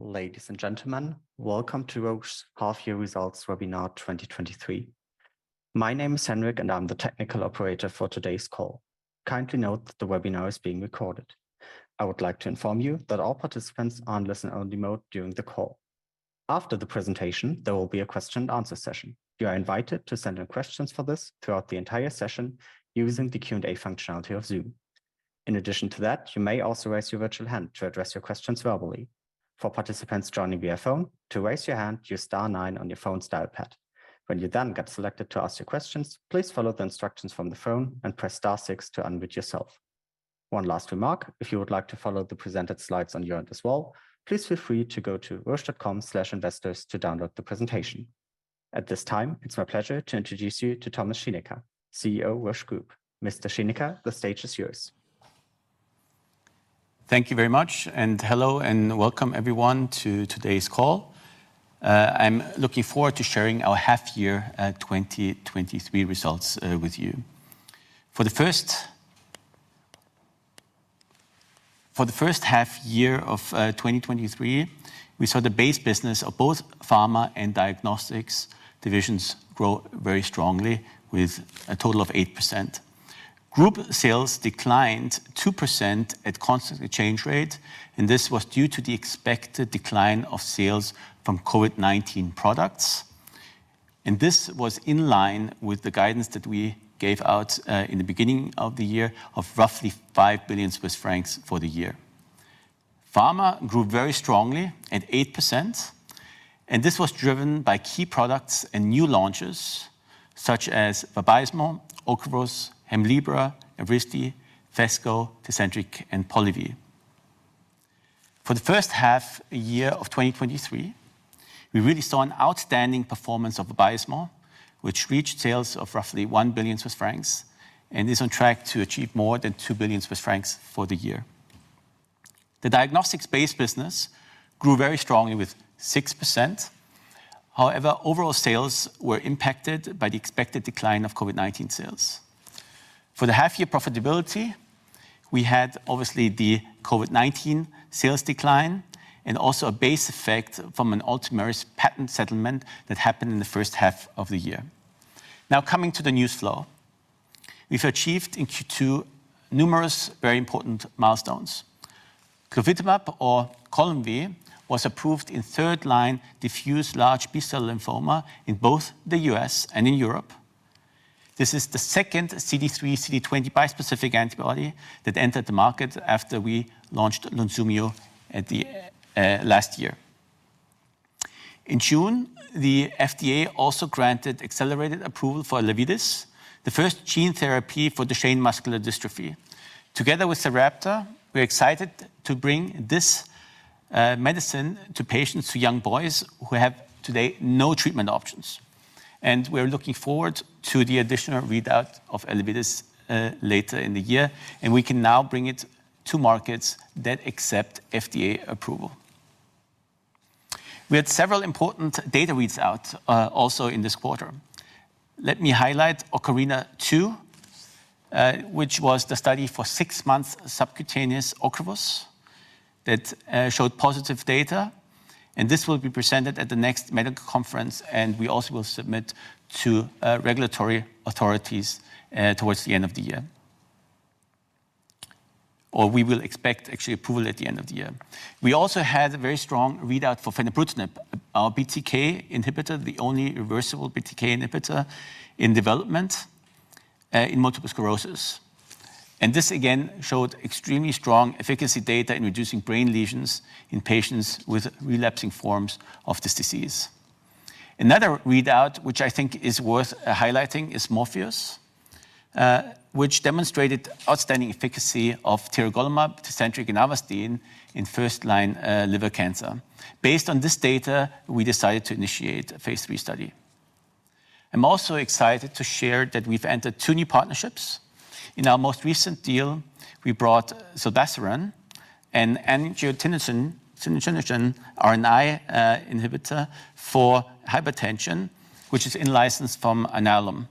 Ladies and gentlemen, welcome to Roche's Half Year Results Webinar 2023. My name is Henrik, and I'm the technical operator for today's call. Kindly note that the webinar is being recorded. I would like to inform you that all participants are in listen-only mode during the call. After the presentation, there will be a question-and-answer session. You are invited to send in questions for this throughout the entire session using the Q&A functionality of Zoom. In addition to that, you may also raise your virtual hand to address your questions verbally. For participants joining via phone, to raise your hand, use star nine on your phone's dial pad. When you then get selected to ask your questions, please follow the instructions from the phone and press star six to unmute yourself. One last remark: if you would like to follow the presented slides on your end as well, please feel free to go to roche.com/investors to download the presentation. At this time, it's my pleasure to introduce you to Thomas Schinecker, CEO, Roche Group. Mr. Schinecker, the stage is yours. Thank you very much, hello, and welcome everyone to today's call. I'm looking forward to sharing our half year 2023 results with you. For the first half year of 2023, we saw the base business of both Pharma and Diagnostics divisions grow very strongly, with a total of 8%. Group sales declined 2% at constantly change rate, this was due to the expected decline of sales from COVID-19 products. This was in line with the guidance that we gave out in the beginning of the year, of roughly 5 billion Swiss francs for the year. Pharma grew very strongly at 8%, and this was driven by key products and new launches such as Vabysmo, Ocrevus, Hemlibra, Evrysdi, Phesgo, Tecentriq, and Polivy. For the first half year of 2023, we really saw an outstanding performance of Vabysmo, which reached sales of roughly 1 billion Swiss francs and is on track to achieve more than 2 billion Swiss francs for the year. The Diagnostics base business grew very strongly with 6%. Overall sales were impacted by the expected decline of COVID-19 sales. For the half year profitability, we had obviously the COVID-19 sales decline and also a base effect from an Ultomiris patent settlement that happened in the first half of the year. Coming to the newsflow. We've achieved in Q2 numerous very important milestones. Glofitamab or Columvi was approved in third line diffuse large B-cell lymphoma in both the U.S. and in Europe. This is the second CD3/CD20 bispecific antibody that entered the market after we launched Lunsumio at the last year. In June, the FDA also granted accelerated approval for Elevidys, the first gene therapy for Duchenne muscular dystrophy. Together with Sarepta, we're excited to bring this medicine to patients, to young boys, who have today no treatment options. We're looking forward to the additional readout of Elevidys later in the year, and we can now bring it to markets that accept FDA approval. We had several important data reads out also in this quarter. Let me highlight OCARINA II, which was the study for six months subcutaneous Ocrevus that showed positive data. This will be presented at the next medical conference, and we also will submit to regulatory authorities towards the end of the year. We will expect, actually, approval at the end of the year. We also had a very strong readout for fenebrutinib, our BTK inhibitor, the only reversible BTK inhibitor in development in multiple sclerosis. This again showed extremely strong efficacy data in reducing brain lesions in patients with relapsing forms of this disease. Another readout, which I think is worth highlighting, is MORPHEUS, which demonstrated outstanding efficacy of tiragolumab, Tecentriq, and Avastin in first-line liver cancer. Based on this data, we decided to initiate a phase III study. I'm also excited to share that we've entered two new partnerships. In our most recent deal, we brought zilebesiran, an angiotensinogen RNAi inhibitor for hypertension, which is in license from Alnylam.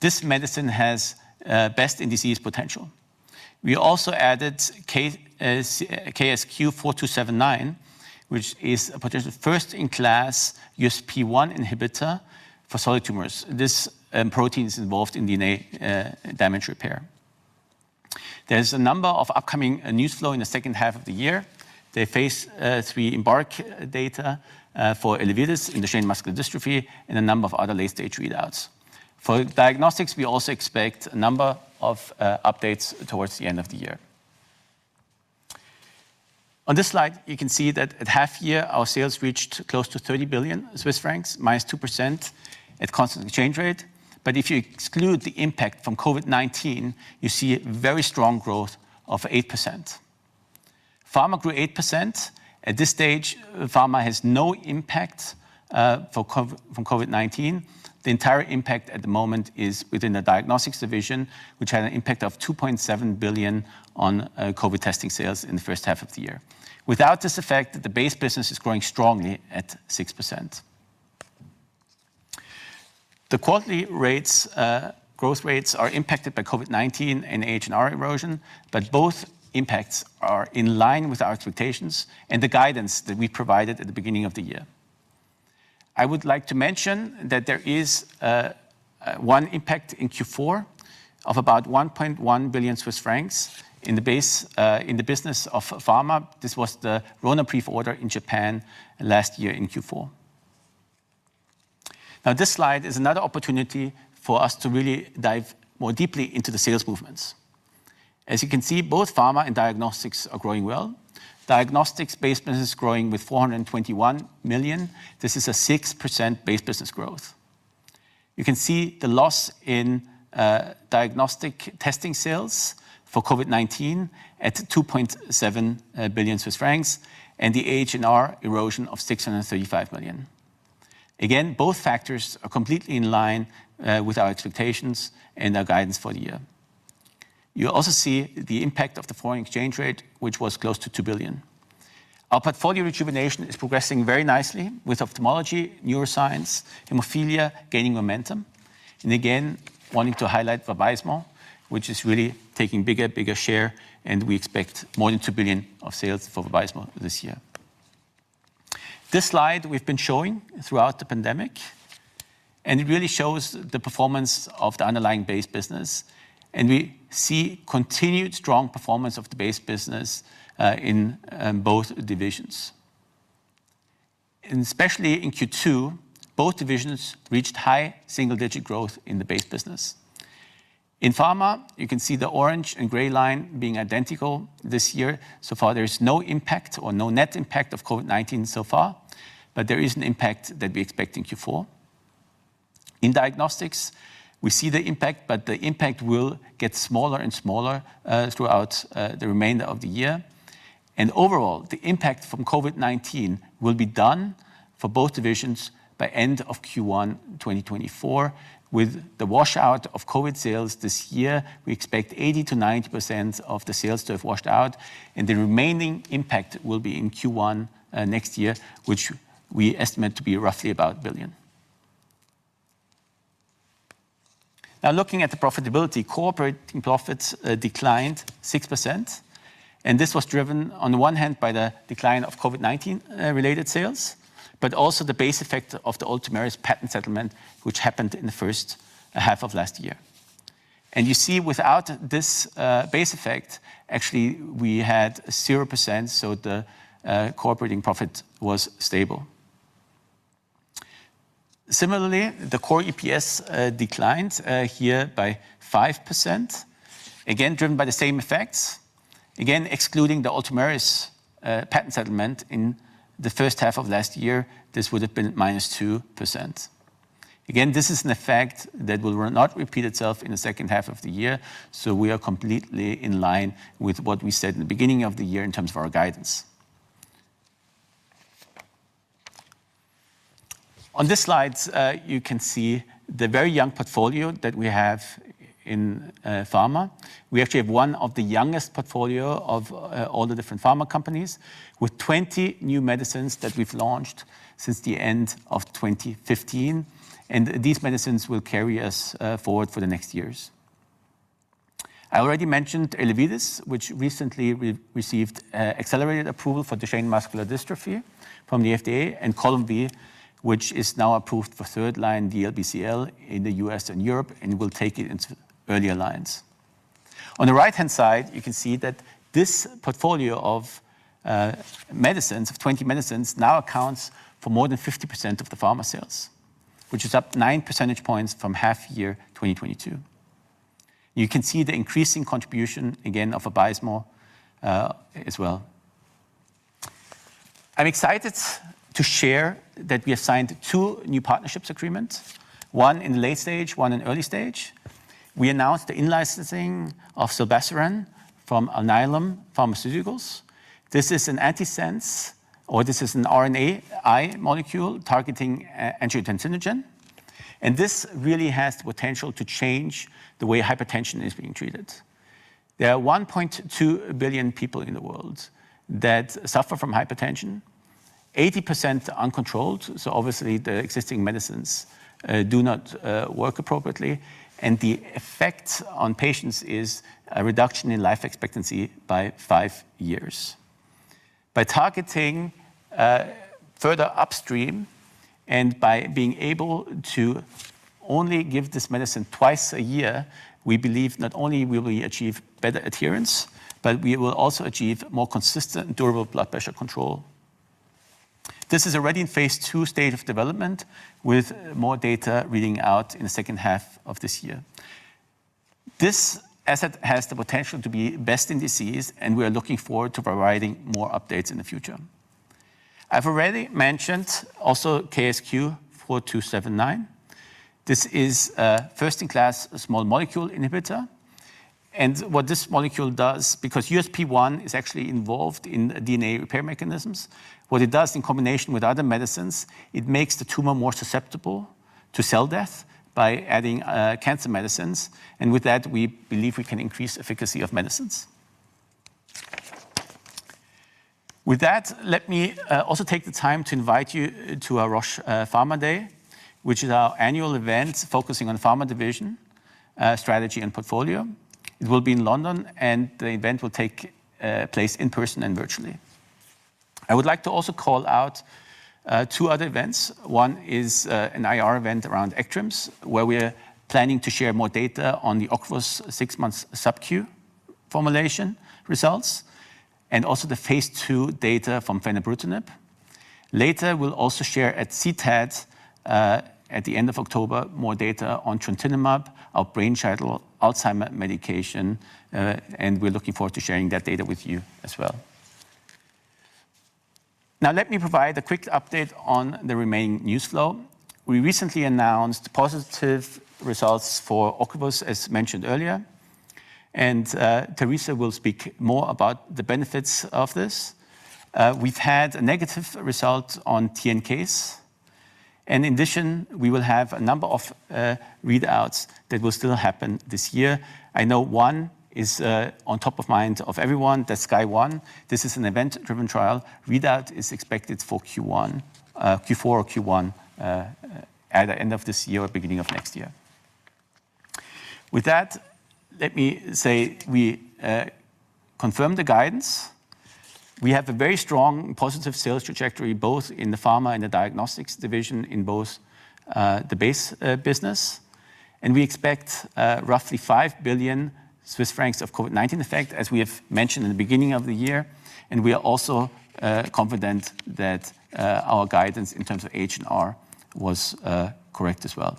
This medicine has best-in-disease potential. We also added KSQ-4279, which is a potential first-in-class USP1 inhibitor for solid tumors. This protein is involved in DNA damage repair. There's a number of upcoming newsflow in the second half of the year. The phase III EMBARK data for Elevidys in Duchenne muscular dystrophy and a number of other late-stage readouts. For Diagnostics, we also expect a number of updates towards the end of the year. On this slide, you can see that at half year, our sales reached close to 30 billion Swiss francs, -2% at constant change rate. If you exclude the impact from COVID-19, you see a very strong growth of 8%. Pharma grew 8%. At this stage, Pharma has no impact from COVID-19. The entire impact at the moment is within the Diagnostics division, which had an impact of 2.7 billion on COVID testing sales in the first half of the year. Without this effect, the base business is growing strongly at 6%. The quarterly rates, growth rates are impacted by COVID-19 and AHR erosion, but both impacts are in line with our expectations and the guidance that we provided at the beginning of the year. I would like to mention that there is one impact in Q4 of about 1.1 billion Swiss francs in the base, in the business of Pharma. This was the Ronapreve order in Japan last year in Q4. This slide is another opportunity for us to really dive more deeply into the sales movements. As you can see, both Pharma and Diagnostics are growing well. Diagnostics base business is growing with 421 million. This is a 6% base business growth. You can see the loss in diagnostic testing sales for COVID-19 at 2.7 billion Swiss francs, and the AHR erosion of 635 million. Again, both factors are completely in line with our expectations and our guidance for the year. You'll also see the impact of the foreign exchange rate, which was close to 2 billion. Our portfolio rejuvenation is progressing very nicely with ophthalmology, neuroscience, hemophilia, gaining momentum, and again, wanting to highlight Vabysmo, which is really taking bigger and bigger share, and we expect more than 2 billion of sales for Vabysmo this year. This slide we've been showing throughout the pandemic, and it really shows the performance of the underlying base business, and we see continued strong performance of the base business in both divisions. Especially in Q2, both divisions reached high single-digit growth in the base business. In Pharma, you can see the orange and gray line being identical this year. Far, there is no impact or no net impact of COVID-19 so far, but there is an impact that we expect in Q4. In Diagnostics, we see the impact, but the impact will get smaller and smaller throughout the remainder of the year. Overall, the impact from COVID-19 will be done for both divisions by end of Q1, 2024. With the washout of COVID sales this year, we expect 80%-90% of the sales to have washed out, and the remaining impact will be in Q1 next year, which we estimate to be roughly about 1 billion. Now, looking at the profitability, cooperating profits declined 6%, and this was driven on the one hand by the decline of COVID-19 related sales, but also the base effect of the Ultomiris patent settlement, which happened in the first half of last year. You see, without this base effect, actually, we had 0%, so the cooperating profit was stable. Similarly, the core EPS declined here by 5%, again, driven by the same effects. Excluding the Ultomiris patent settlement in the first half of last year, this would have been -2%. This is an effect that will not repeat itself in the second half of the year, so we are completely in line with what we said in the beginning of the year in terms of our guidance. On this slide, you can see the very young portfolio that we have in Pharma. We actually have one of the youngest portfolio of all the different pharma companies, with 20 new medicines that we've launched since the end of 2015. These medicines will carry us forward for the next years. I already mentioned Elevidys, which recently received accelerated approval for Duchenne muscular dystrophy from the FDA. Columvi, which is now approved for third-line DLBCL in the U.S. and Europe, and will take it into earlier lines. On the right-hand side, you can see that this portfolio of medicines, of 20 medicines, now accounts for more than 50% of the Pharma sales, which is up 9 percentage points from half year 2022. You can see the increasing contribution again, of Vabysmo as well. I'm excited to share that we have signed two new partnerships agreements, one in late stage, one in early stage. We announced the in-licensing of zilebesiran from Alnylam Pharmaceuticals. This is an antisense, or this is an RNAi molecule targeting angiotensinogen, and this really has the potential to change the way hypertension is being treated. There are 1.2 billion people in the world that suffer from hypertension. 80% uncontrolled, so obviously the existing medicines do not work appropriately, and the effect on patients is a reduction in life expectancy by five years. By targeting further upstream and by being able to only give this medicine twice a year, we believe not only will we achieve better adherence, but we will also achieve more consistent and durable blood pressure control. This is already in phase II state of development, with more data reading out in the second half of this year. This asset has the potential to be best in disease, and we are looking forward to providing more updates in the future. I've already mentioned also KSQ-4279. This is a first-in-class small molecule inhibitor. What this molecule does, because USP1 is actually involved in DNA repair mechanisms, what it does in combination with other medicines, it makes the tumor more susceptible to cell death by adding cancer medicines. With that, we believe we can increase efficacy of medicines. With that, let me also take the time to invite you to our Roche Pharma Day, which is our annual event focusing on Pharma division strategy and portfolio. It will be in London, and the event will take place in person and virtually. I would like to also call out two other events. One is an IR event around ECTRIMS, where we are planning to share more data on the Ocrevus six months subQ formulation results, and also the phase II data from fenebrutinib. Later, we'll also share at CTAD at the end of October, more data on trontinemab, our Brain Shuttle Alzheimer's medication, and we're looking forward to sharing that data with you as well. Let me provide a quick update on the remaining newsflow. We recently announced positive results for Ocrevus, as mentioned earlier, and Teresa will speak more about the benefits of this. We've had a negative result on TN cases, and in addition, we will have a number of readouts that will still happen this year. I know one is on top of mind of everyone, the SKYSCRAPER-01. This is an event-driven trial. Readout is expected for Q1, Q4 or Q1 at the end of this year or beginning of next year. Let me say we confirm the guidance. We have a very strong positive sales trajectory, both in the Pharma and the Diagnostics division, in both the base business. We expect roughly 5 billion Swiss francs of COVID-19 effect, as we have mentioned in the beginning of the year, and we are also confident that our guidance in terms of AHR was correct as well.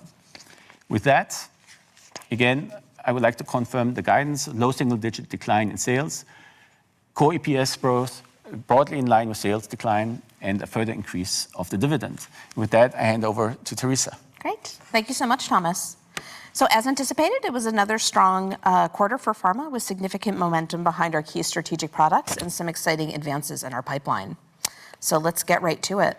Again, I would like to confirm the guidance, low single-digit decline in sales, core EPS growth, broadly in line with sales decline, and a further increase of the dividend. I hand over to Teresa. Great. Thank you so much, Thomas. As anticipated, it was another strong quarter for Pharma, with significant momentum behind our key strategic products and some exciting advances in our pipeline. Let's get right to it.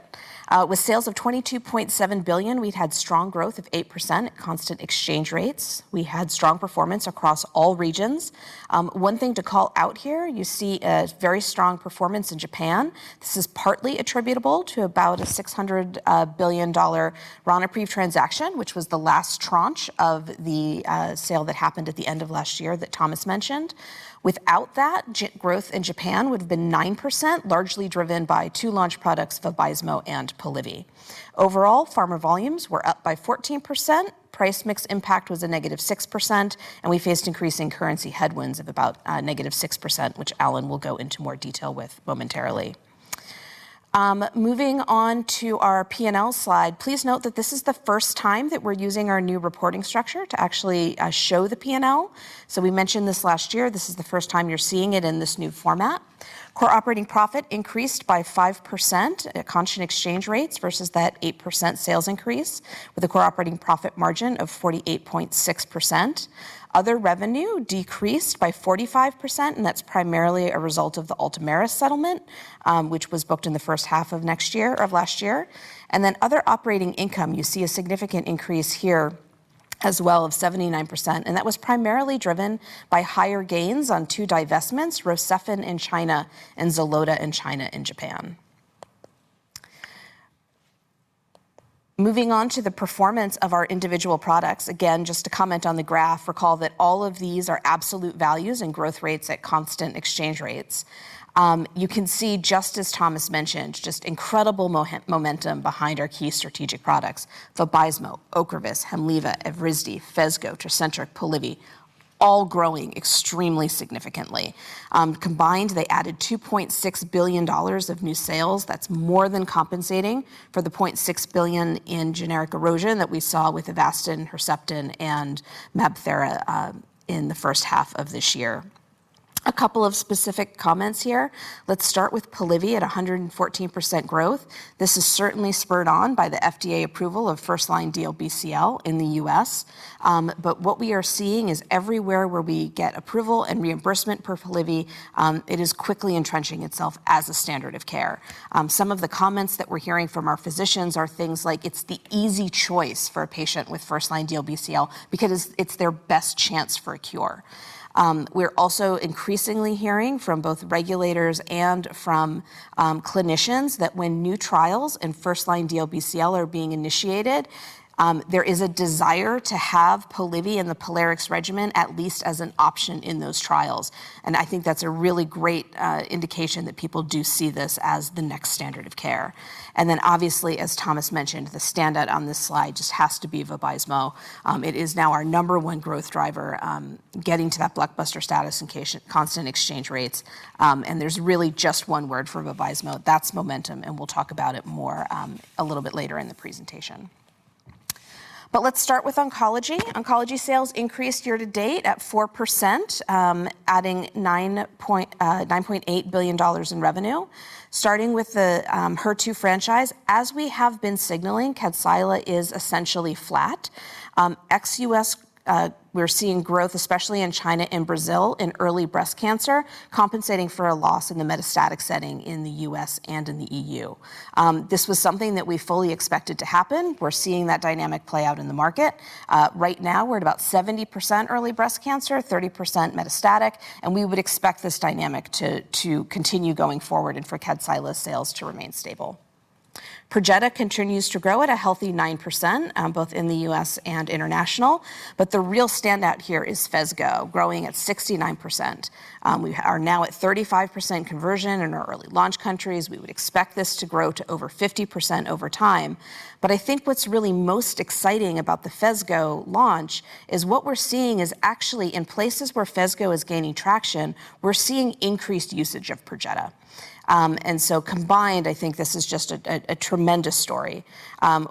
With sales of 22.7 billion, we've had strong growth of 8% at constant exchange rates. We had strong performance across all regions. One thing to call out here, you see a very strong performance in Japan. This is partly attributable to about a CHF 600 billion Ronapreve transaction, which was the last tranche of the sale that happened at the end of last year that Thomas mentioned. Without that, growth in Japan would have been 9%, largely driven by two launch products, Vabysmo and Polivy. Overall, Pharma volumes were up by 14%, price mix impact was a negative 6%. We faced increasing currency headwinds of about negative 6%, which Alan will go into more detail with momentarily. Moving on to our P&L slide. Please note that this is the first time that we're using our new reporting structure to actually show the P&L. We mentioned this last year. This is the first time you're seeing it in this new format. Core operating profit increased by 5% at constant exchange rates versus that 8% sales increase, with a core operating profit margin of 48.6%. Other revenue decreased by 45%, and that's primarily a result of the Ultomiris settlement, which was booked in the first half of next year or of last year. Other operating income, you see a significant increase here as well of 79%, and that was primarily driven by higher gains on two divestments, Rocephin in China and Xylota in China and Japan. Moving on to the performance of our individual products, again, just to comment on the graph, recall that all of these are absolute values and growth rates at constant exchange rates. You can see, just as Thomas mentioned, just incredible momentum behind our key strategic products. Vabysmo, Ocrevus, Hemlibra, Evrysdi, Phesgo, Tecentriq, Polivy, all growing extremely significantly. Combined, they added CHF 2.6 billion of new sales. That's more than compensating for the 0.6 billion in generic erosion that we saw with Avastin, Herceptin, and MabThera in the first half of this year. A couple of specific comments here. Let's start with Polivy at 114% growth. This is certainly spurred on by the FDA approval of first-line DLBCL in the U.S. What we are seeing is everywhere where we get approval and reimbursement for Polivy, it is quickly entrenching itself as a standard of care. Some of the comments that we're hearing from our physicians are things like, "It's the easy choice for a patient with first-line DLBCL because it's, it's their best chance for a cure." We're also increasingly hearing from both regulators and from, clinicians that when new trials in first-line DLBCL are being initiated, there is a desire to have Polivy and the POLARIX regimen at least as an option in those trials. I think that's a really great indication that people do see this as the next standard of care. Obviously, as Thomas mentioned, the standout on this slide just has to be Vabysmo. It is now our number one growth driver, getting to that blockbuster status in constant exchange rates. There's really just one word for Vabysmo, that's momentum, and we'll talk about it more a little bit later in the presentation. Let's start with oncology. Oncology sales increased year to date at 4%, adding CHF9.8 billion in revenue. Starting with the HER2 franchise, as we have been signaling, Kadcyla is essentially flat. Ex-U.S., we're seeing growth, especially in China and Brazil, in early breast cancer, compensating for a loss in the metastatic setting in the U.S. and in the E.U. This was something that we fully expected to happen. We're seeing that dynamic play out in the market. Right now, we're at about 70% early breast cancer, 30% metastatic, and we would expect this dynamic to continue going forward and for Kadcyla sales to remain stable. Perjeta continues to grow at a healthy 9%, both in the U.S. and international, the real standout here is Phesgo, growing at 69%. We are now at 35% conversion in our early launch countries. We would expect this to grow to over 50% over time. I think what's really most exciting about the Phesgo launch is what we're seeing is actually in places where Phesgo is gaining traction, we're seeing increased usage of Perjeta. Combined, I think this is just a tremendous story.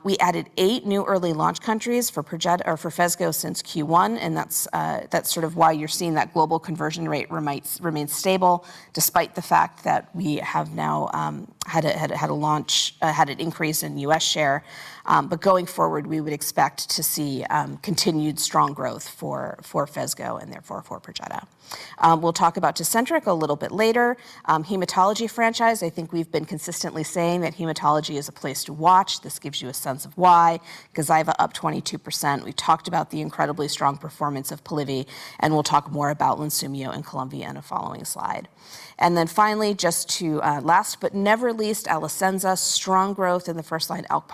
We added eight new early launch countries for Perjeta or for Phesgo since Q1, that's sort of why you're seeing that global conversion rate remain stable, despite the fact that we have now had a launch, had an increase in U.S. share. Going forward, we would expect to see continued strong growth for Phesgo and therefore for Perjeta. We'll talk about Tecentriq a little bit later. Hematology franchise, I think we've been consistently saying that Hematology is a place to watch. This gives you a sense of why. Gazyva up 22%. We talked about the incredibly strong performance of Polivy, and we'll talk more about Lunsumio and Columvi in a following slide. Finally, just to, last but never least, Alecensa, strong growth in the first-line ALK+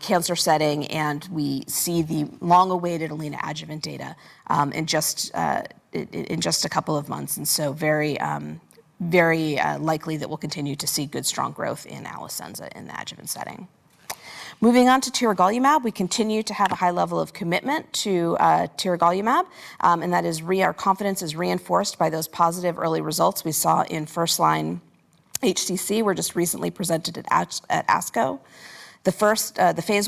cancer setting, and we see the long-awaited ALINA adjuvant data in just a couple of months, and so very very likely that we'll continue to see good, strong growth in Alecensa in the adjuvant setting. Moving on to tiragolumab. We continue to have a high level of commitment to tiragolumab, and that is Our confidence is reinforced by those positive early results we saw in first-line HCC were just recently presented at ASCO. The Phase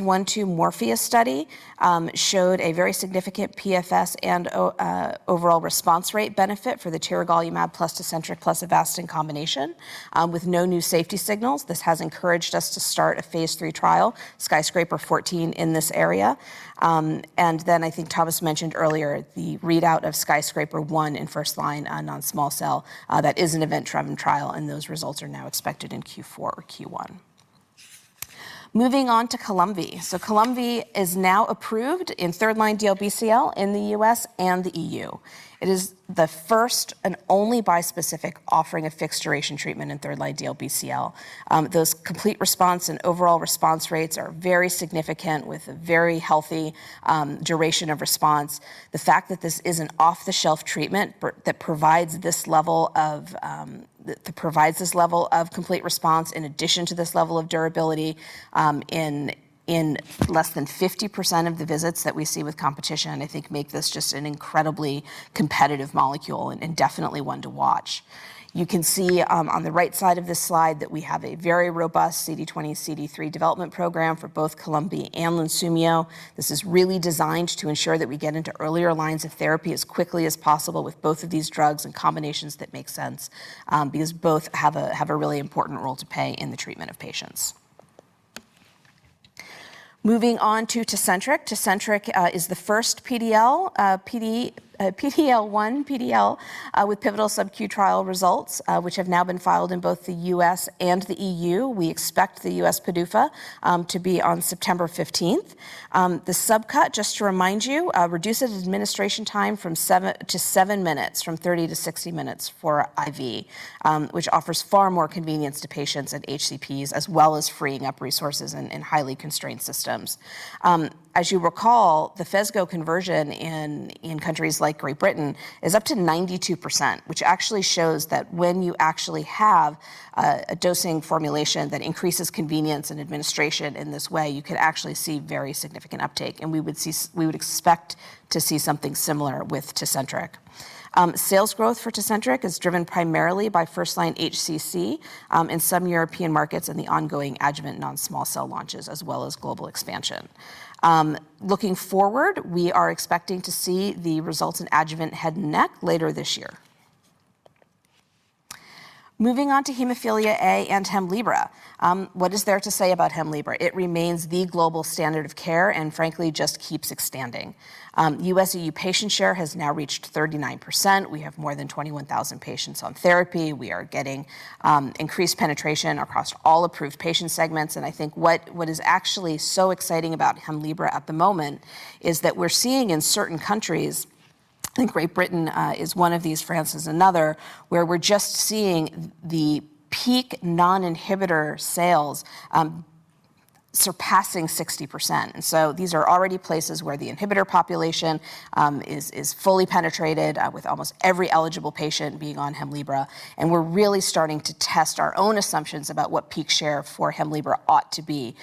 I/II MORPHEUS study showed a very significant PFS and overall response rate benefit for the tiragolumab + Tecentriq + Avastin combination with no new safety signals. This has encouraged us to start a phase III trial, SKYSCRAPER-14, in this area. I think Thomas mentioned earlier, the readout of SKYSCRAPER-01 in first line on non-small cell, that is an event-driven trial, and those results are now expected in Q4 or Q1. Moving on to Columvi. Columvi is now approved in third-line DLBCL in the U.S. and the E.U. It is the first and only bispecific offering a fixed duration treatment in third-line DLBCL. Those complete response and overall response rates are very significant, with a very healthy duration of response. The fact that this is an off-the-shelf treatment that provides this level of complete response in addition to this level of durability, in less than 50% of the visits that we see with competition, I think, make this just an incredibly competitive molecule and, and definitely one to watch. You can see on the right side of this slide, that we have a very robust CD20/CD3 development program for both Columvi and Lunsumio. This is really designed to ensure that we get into earlier lines of therapy as quickly as possible with both of these drugs and combinations that make sense, because both have a really important role to play in the treatment of patients. Moving on to Tecentriq. Tecentriq is the first PDL-1 with pivotal subQ trial results, which have now been filed in both the U.S. and the E.U. We expect the U.S. PDUFA to be on September 15th. The subcut, just to remind you, reduces administration time to seven minutes, from 30-60 minutes for IV, which offers far more convenience to patients and HCPs, as well as freeing up resources in highly constrained systems. As you recall, the Phesgo conversion in countries like Great Britain is up to 92%, which actually shows that when you actually have a dosing formulation that increases convenience and administration in this way, you could actually see very significant uptake, and we would expect to see something similar with Tecentriq. Sales growth for Tecentriq is driven primarily by first-line HCC in some European markets, and the ongoing adjuvant non-small cell launches, as well as global expansion. Looking forward, we are expecting to see the results in adjuvant head and neck later this year. Moving on to Hemophilia A and Hemlibra. What is there to say about Hemlibra? It remains the global standard of care, and frankly, just keeps expanding. U.S./E.U. patient share has now reached 39%. We have more than 21,000 patients on therapy. We are getting increased penetration across all approved patient segments. I think what, what is actually so exciting about Hemlibra at the moment is that we're seeing in certain countries, I think Great Britain is one of these, France is another, where we're just seeing the peak non-inhibitor sales surpassing 60%. These are already places where the inhibitor population is fully penetrated with almost every eligible patient being on Hemlibra. We're really starting to test our own assumptions about what peak share for Hemlibra ought to be.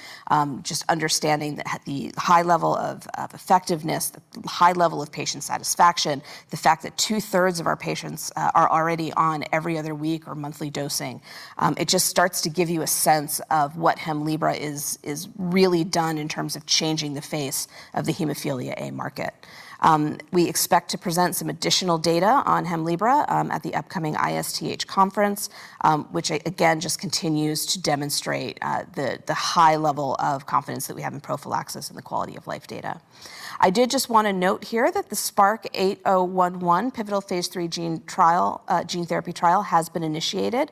Just understanding that at the high level of effectiveness, the high level of patient satisfaction, the fact that two-thirds of our patients are already on every other week or monthly dosing, it just starts to give you a sense of what Hemlibra is really done in terms of changing the face of the Hemophilia A market. We expect to present some additional data on Hemlibra at the upcoming ISTH conference, which again, just continues to demonstrate the high level of confidence that we have in prophylaxis and the quality of life data. I did just want to note here that the Spark 8011 pivotal phase III gene therapy trial has been initiated.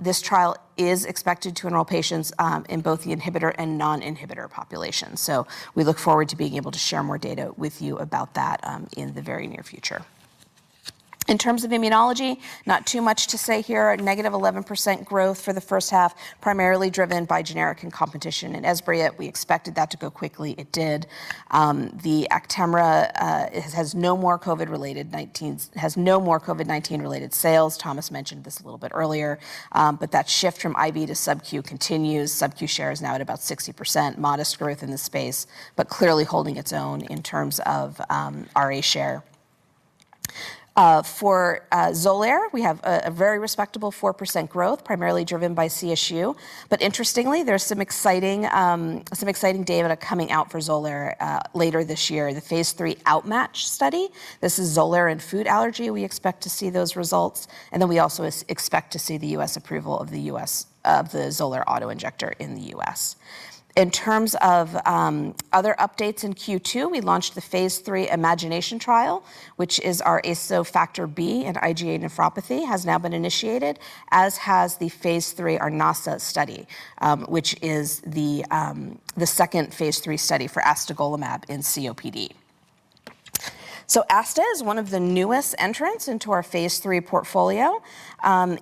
This trial is expected to enroll patients in both the inhibitor and non-inhibitor population. We look forward to being able to share more data with you about that in the very near future. In terms of immunology, not too much to say here. A negative 11% growth for the first half, primarily driven by generic and competition in Esbriet. We expected that to go quickly. It did. The Actemra, it has no more COVID-19-related sales. Thomas mentioned this a little bit earlier, but that shift from IV to subQ continues. SubQ share is now at about 60%. Modest growth in the space, clearly holding its own in terms of RA share. For Xolair, we have a very respectable 4% growth, primarily driven by CSU. Interestingly, there's some exciting data coming out for Xolair later this year, the Phase III OUtMATCH study. This is Xolair in food allergy. We expect to see those results, we also expect to see the U.S. approval of the Xolair auto-injector in the U.S. In terms of other updates in Q2, we launched the phase III IMAGINATION trial, which is our ASO Factor B in IgA nephropathy, has now been initiated, as has the phase III ARNASA study, which is the second phase III study for astegolimab in COPD. Aste is one of the newest entrants into our phase III portfolio,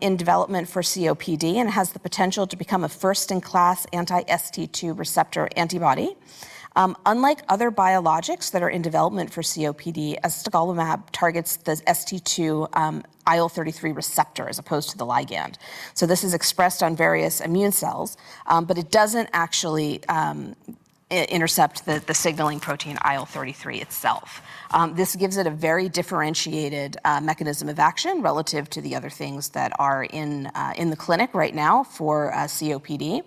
in development for COPD, and it has the potential to become a first-in-class anti-ST2 receptor antibody. Unlike other biologics that are in development for COPD, astegolimab targets the ST2, IL-33 receptor, as opposed to the ligand. This is expressed on various immune cells, but it doesn't actually intercept the signaling protein, IL-33 itself. This gives it a very differentiated mechanism of action relative to the other things that are in the clinic right now for COPD.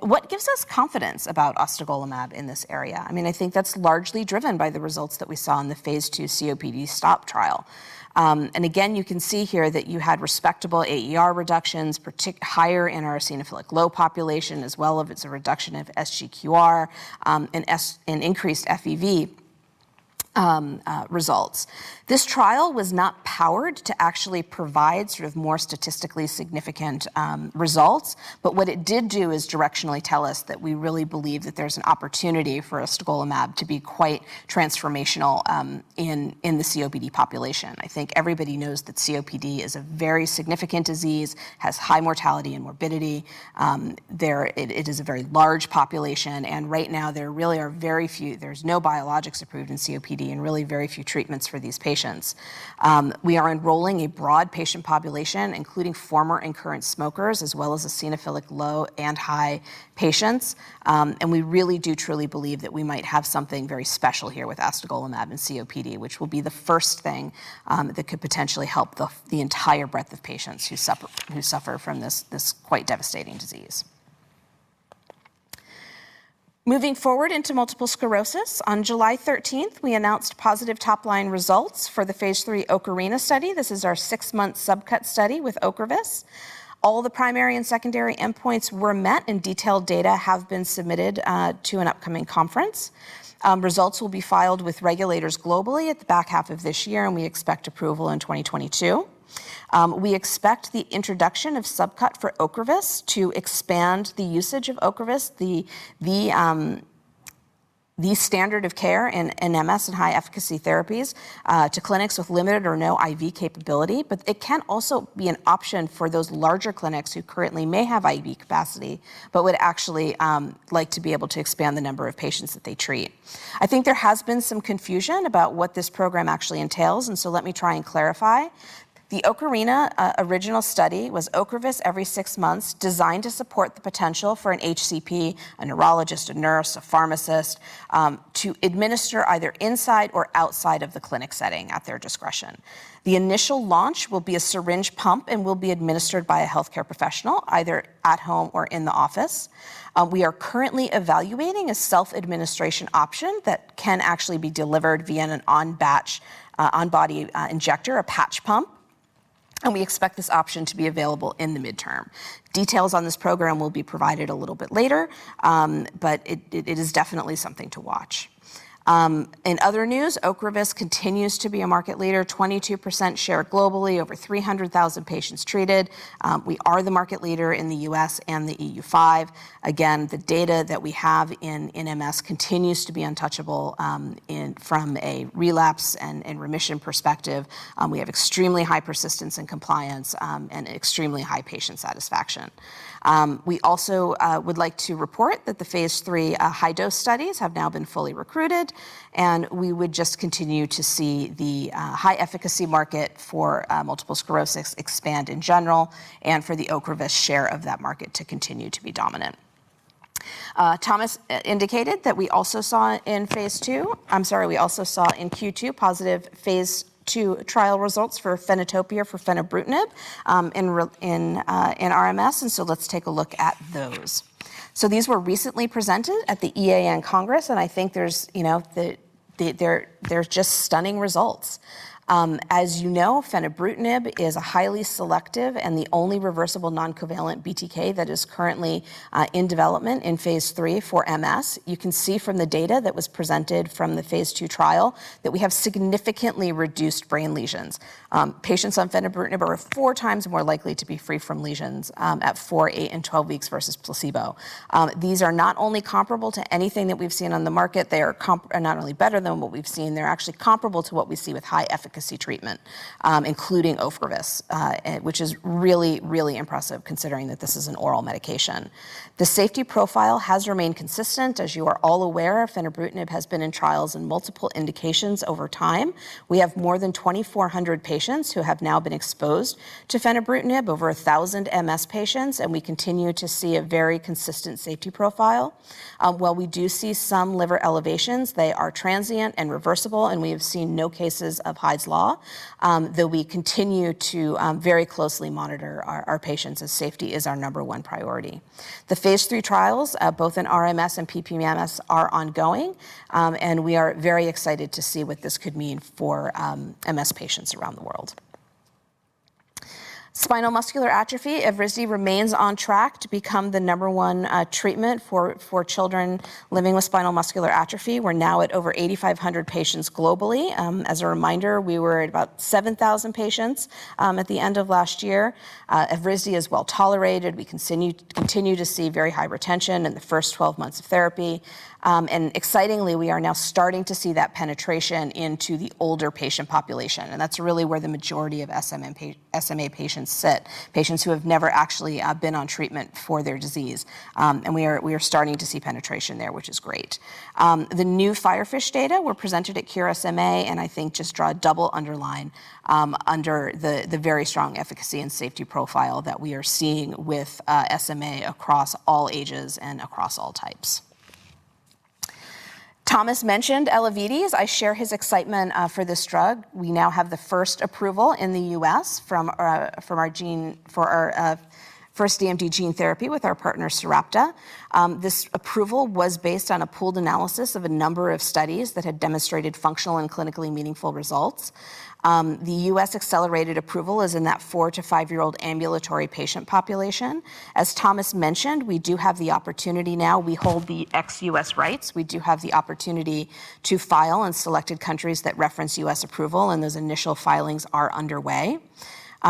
What gives us confidence about astegolimab in this area? I mean, I think that's largely driven by the results that we saw in the phase II COPD-STOP trial. And again, you can see here that you had respectable AERR reductions, higher in our eosinophilic low population, as well as a reduction of SGQR, and increased FEV results. This trial was not powered to actually provide sort of more statistically significant results, but what it did do is directionally tell us that we really believe that there's an opportunity for astegolimab to be quite transformational in the COPD population. I think everybody knows that COPD is a very significant disease, has high mortality and morbidity. There. It is a very large population, and right now, there really are very few. There's no biologics approved in COPD, and really very few treatments for these patients. We are enrolling a broad patient population, including former and current smokers, as well as eosinophilic low and high patients, and we really do truly believe that we might have something very special here with astegolimab in COPD, which will be the first thing that could potentially help the entire breadth of patients who suffer from this quite devastating disease. Moving forward into multiple sclerosis, on July 13th, we announced positive top-line results for the phase III OCARINA study. This is our six months subcut study with Ocrevus. All the primary and secondary endpoints were met, and detailed data have been submitted to an upcoming conference. Results will be filed with regulators globally at the back half of this year, and we expect approval in 2022. We expect the introduction of subcut for Ocrevus to expand the usage of Ocrevus, the standard of care in MS and high-efficacy therapies, to clinics with limited or no IV capability. It can also be an option for those larger clinics who currently may have IV capacity, but would actually like to be able to expand the number of patients that they treat. I think there has been some confusion about what this program actually entails. Let me try and clarify. The OCARINA original study was Ocrevus every six months, designed to support the potential for an HCP, a neurologist, a nurse, a pharmacist to administer either inside or outside of the clinic setting at their discretion. The initial launch will be a syringe pump and will be administered by a healthcare professional, either at home or in the office. We are currently evaluating a self-administration option that can actually be delivered via an on-body injector, a patch pump, and we expect this option to be available in the midterm. Details on this program will be provided a little bit later, but it is definitely something to watch. In other news, Ocrevus continues to be a market leader, 22% share globally, over 300,000 patients treated. We are the market leader in the U.S. and the EU-5. Again, the data that we have in MS continues to be untouchable, from a relapse and remission perspective. We have extremely high persistence and compliance, and extremely high patient satisfaction. We also would like to report that the phase III high-dose studies have now been fully recruited, and we would just continue to see the high-efficacy market for multiple sclerosis expand in general, and for the Ocrevus share of that market to continue to be dominant. Thomas indicated that we also saw in Q2, positive phase II trial results for FENopta or fenebrutinib in RMS, let's take a look at those. These were recently presented at the EAN Congress, I think there's just stunning results. As you know, fenebrutinib is a highly selective and the only reversible non-covalent BTK that is currently in development in phase III for MS. You can see from the data that was presented from the phase II trial, that we have significantly reduced brain lesions. Patients on fenebrutinib are 4x more likely to be free from lesions, at 4, 8, and 12 weeks versus placebo. These are not only comparable to anything that we've seen on the market, they are not only better than what we've seen, they're actually comparable to what we see with high-efficacy treatment, including Ocrevus, which is really, really impressive, considering that this is an oral medication. The safety profile has remained consistent. As you are all aware, fenebrutinib has been in trials in multiple indications over time. We have more than 2,400 patients who have now been exposed to fenebrutinib, over 1,000 MS patients, and we continue to see a very consistent safety profile. While we do see some liver elevations, they are transient and reversible, and we have seen no cases of Hy's Law, though we continue to very closely monitor our patients, as safety is our number 1 priority. The Phase III trials, both in RMS and PPMS, are ongoing, and we are very excited to see what this could mean for MS patients around the world. Spinal muscular atrophy, Evrysdi remains on track to become the number 1 treatment for children living with spinal muscular atrophy. We're now at over 8,500 patients globally. As a reminder, we were at about 7,000 patients at the end of last year. Evrysdi is well-tolerated. We continue to see very high retention in the first 12 months of therapy. Excitingly, we are now starting to see that penetration into the older patient population, and that's really where the majority of SMA patients sit, patients who have never actually been on treatment for their disease. We are starting to see penetration there, which is great. The new FIREFISH data were presented at Cure SMA, and I think just draw a double underline under the very strong efficacy and safety profile that we are seeing with SMA across all ages and across all types. Thomas mentioned Elevidys. I share his excitement for this drug. We now have the first approval in the U.S. from our for our first DMD gene therapy with our partner, Sarepta. This approval was based on a pooled analysis of a number of studies that had demonstrated functional and clinically meaningful results. The U.S. accelerated approval is in that four to five-year-old ambulatory patient population. As Thomas mentioned, we do have the opportunity now. We hold the ex-U.S. rights. We do have the opportunity to file in selected countries that reference U.S. approval, and those initial filings are underway.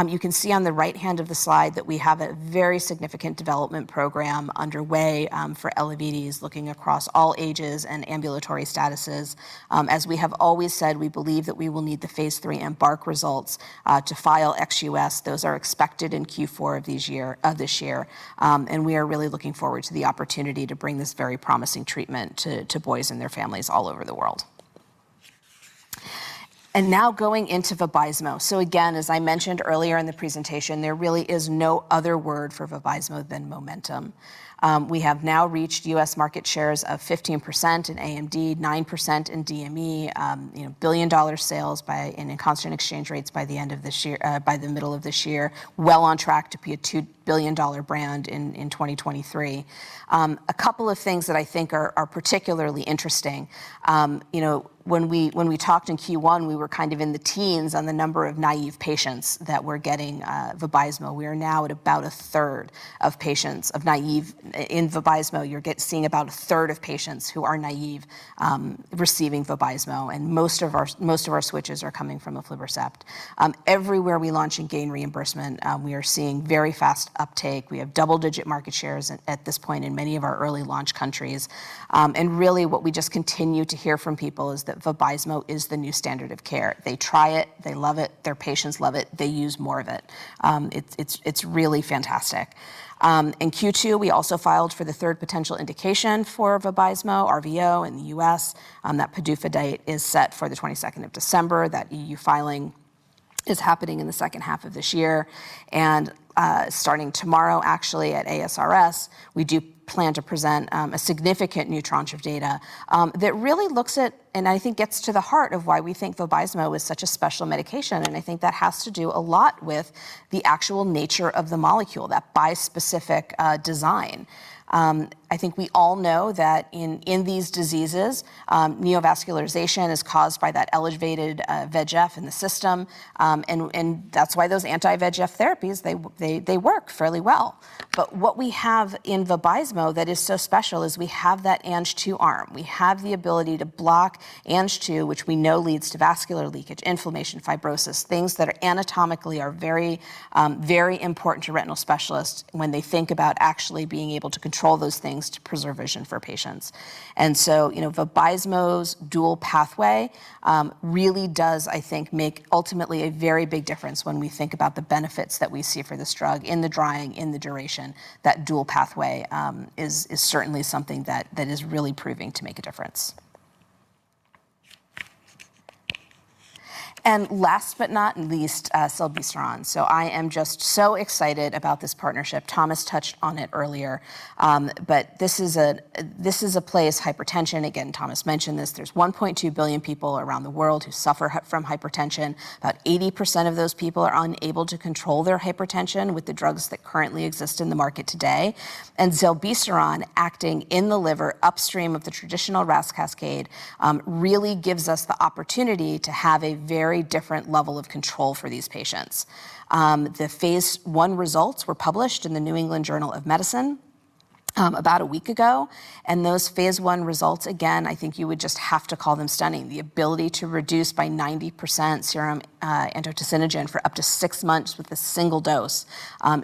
You can see on the right-hand of the slide that we have a very significant development program underway for Elevidys, looking across all ages and ambulatory statuses. As we have always said, we believe that we will need the Phase III EMBARK results to file ex-U.S. Those are expected in Q4 of this year, and we are really looking forward to the opportunity to bring this very promising treatment to boys and their families all over the world. Now going into Vabysmo. Again, as I mentioned earlier in the presentation, there really is no other word for Vabysmo than momentum. We have now reached U.S. market shares of 15% in AMD, 9% in DME, you know, billion-dollar sales by, in constant exchange rates by the end of this year, by the middle of this year. Well on track to be a CHF 2 billion brand in 2023. A couple of things that I think are particularly interesting. You know, when we talked in Q1, we were kind of in the teens on the number of naive patients that were getting Vabysmo. We are now at about a third of patients, of naive in Vabysmo, you're seeing about a third of patients who are naive receiving Vabysmo, and most of our switches are coming from aflibercept. Everywhere we launch and gain reimbursement, we are seeing very fast uptake. We have double-digit market shares at this point in many of our early launch countries. Really, what we just continue to hear from people is that Vabysmo is the new standard of care. They try it, they love it, their patients love it, they use more of it. It's really fantastic. In Q2, we also filed for the third potential indication for Vabysmo, RVO, in the U.S. That PDUFA date is set for the 22nd of December. That E.U. filing is happening in the second half of this year. Starting tomorrow, actually, at ASRS, we do plan to present a significant new tranche of data that really looks at, and I think gets to the heart of why we think Vabysmo is such a special medication, and I think that has to do a lot with the actual nature of the molecule, that bispecific design. I think we all know that in these diseases, neovascularization is caused by that elevated VEGF in the system, and that's why those anti-VEGF therapies, they work fairly well. What we have in Vabysmo that is so special is we have that Ang-2 arm. We have the ability to block Ang-2, which we know leads to vascular leakage, inflammation, fibrosis, things that are anatomically are very, very important to retinal specialists when they think about actually being able to control those things to preserve vision for patients. You know, Vabysmo's dual pathway really does, I think, make ultimately a very big difference when we think about the benefits that we see for this drug in the drying, in the duration. That dual pathway is certainly something that is really proving to make a difference. Last but not least, zilebesiran. I am just so excited about this partnership. Thomas touched on it earlier, but this is a place, hypertension, again, Thomas mentioned this, there's 1.2 billion people around the world who suffer from hypertension. About 80% of those people are unable to control their hypertension with the drugs that currently exist in the market today. Zilebesiran, acting in the liver, upstream of the traditional RAS cascade, really gives us the opportunity to have a very different level of control for these patients. The phase I results were published in the New England Journal of Medicine. About a week ago, those phase I results, again, I think you would just have to call them stunning. The ability to reduce by 90% serum, angiotensinogen for up to 6 months with a single dose,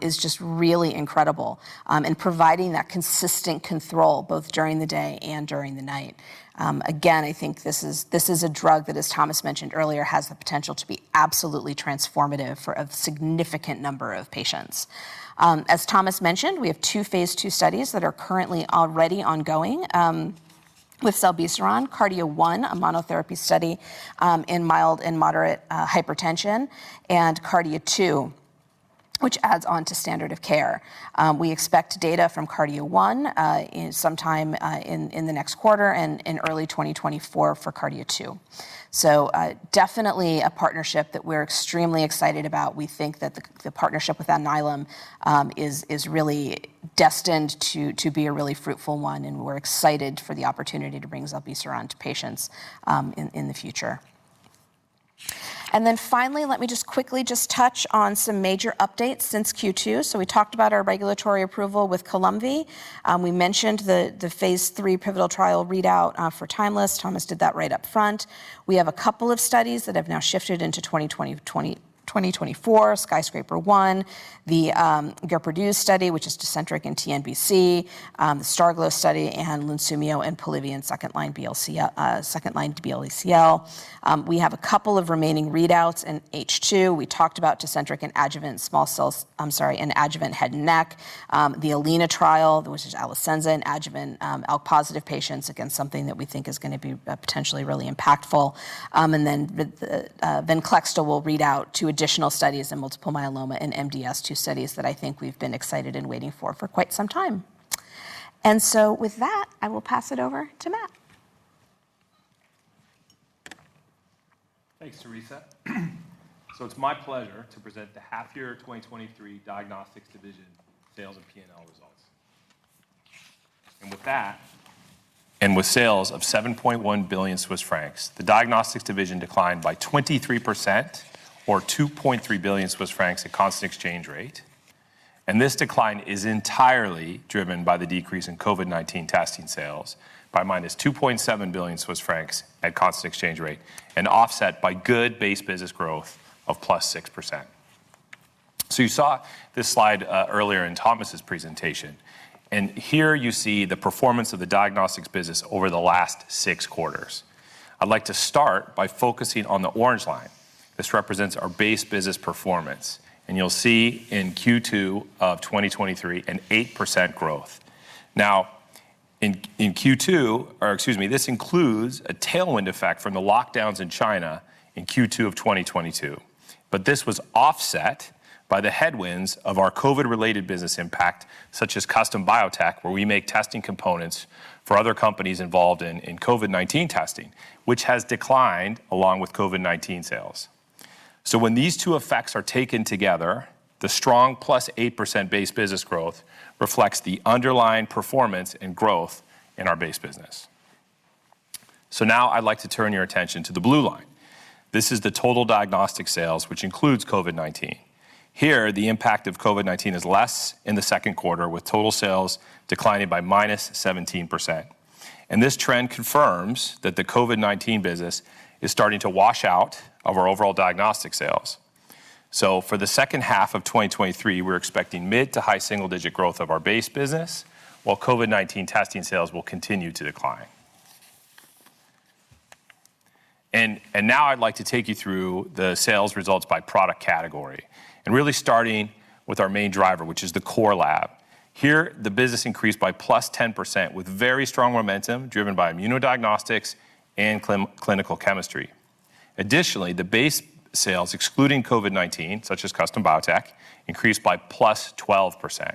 is just really incredible, in providing that consistent control both during the day and during the night. Again, I think this is, this is a drug that, as Thomas mentioned earlier, has the potential to be absolutely transformative for a significant number of patients. As Thomas mentioned, we have two phase II studies that are currently already ongoing with zilebesiran, KARDIA-1, a monotherapy study, in mild and moderate hypertension, and KARDIA-2, which adds on to standard of care. We expect data from KARDIA-1 in sometime in the next quarter and in early 2024 for KARDIA-2. Definitely a partnership that we're extremely excited about. We think that the partnership with Alnylam is really destined to be a really fruitful one, and we're excited for the opportunity to bring zilebesiran to patients in the future. Finally, let me just quickly just touch on some major updates since Q2. We talked about our regulatory approval with Columvi. We mentioned the Phase III pivotal trial readout for Timeless. Thomas did that right up front. We have a couple of studies that have now shifted into 2024, SKYSCRAPER-0I, the GeparDouze study, which is Tecentriq and TNBC, the STARGLO study, and Lunsumio and Polivy in second-line DLBCL. We have a couple of remaining readouts in H2. We talked about Tecentriq and adjuvant small cells-- I'm sorry, and adjuvant head and neck, the ALINA trial, which is Alecensa and adjuvant ALK+ patients, again, something that we think is gonna be potentially really impactful. Then Venclexta will read out two additional studies in multiple myeloma and MDS, two studies that I think we've been excited and waiting for for quite some time. With that, I will pass it over to Matt. Thanks, Teresa. It's my pleasure to present the half year 2023 Diagnostics division sales and P&L results. With that, with sales of 7.1 billion Swiss francs, the Diagnostics division declined by 23% or 2.3 billion Swiss francs at constant exchange rate. This decline is entirely driven by the decrease in COVID-19 testing sales by -2.7 billion Swiss francs at constant exchange rate and offset by good base business growth of +6%. You saw this slide earlier in Thomas's presentation, and here you see the performance of the Diagnostics business over the last six quarters. I'd like to start by focusing on the orange line. This represents our base business performance, and you'll see in Q2 of 2023 an 8% growth. In Q2, or excuse me, this includes a tailwind effect from the lockdowns in China in Q2 of 2022, but this was offset by the headwinds of our COVID-related business impact, such as CustomBiotech, where we make testing components for other companies involved in COVID-19 testing, which has declined along with COVID-19 sales. When these two effects are taken together, the strong +8% base business growth reflects the underlying performance and growth in our base business. Now I'd like to turn your attention to the blue line. This is the total Diagnostic sales, which includes COVID-19. Here, the impact of COVID-19 is less in the second quarter, with total sales declining by -17%. This trend confirms that the COVID-19 business is starting to wash out of our overall Diagnostic sales. For the second half of 2023, we're expecting mid to high single-digit growth of our base business, while COVID-19 testing sales will continue to decline. Now I'd like to take you through the sales results by product category and really starting with our main driver, which is the core lab. Here, the business increased by +10% with very strong momentum driven by immunodiagnostics and clinical chemistry. Additionally, the base sales, excluding COVID-19, such as CustomBiotech, increased by +12%.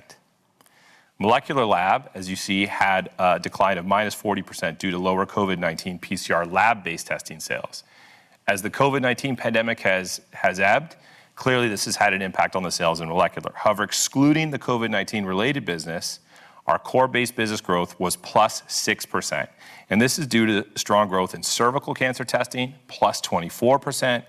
Molecular lab, as you see, had a decline of -40% due to lower COVID-19 PCR lab-based testing sales. As the COVID-19 pandemic has ebbed, clearly this has had an impact on the sales in molecular. However, excluding the COVID-19-related business, our core base business growth was +6%. This is due to strong growth in cervical cancer testing, +24%,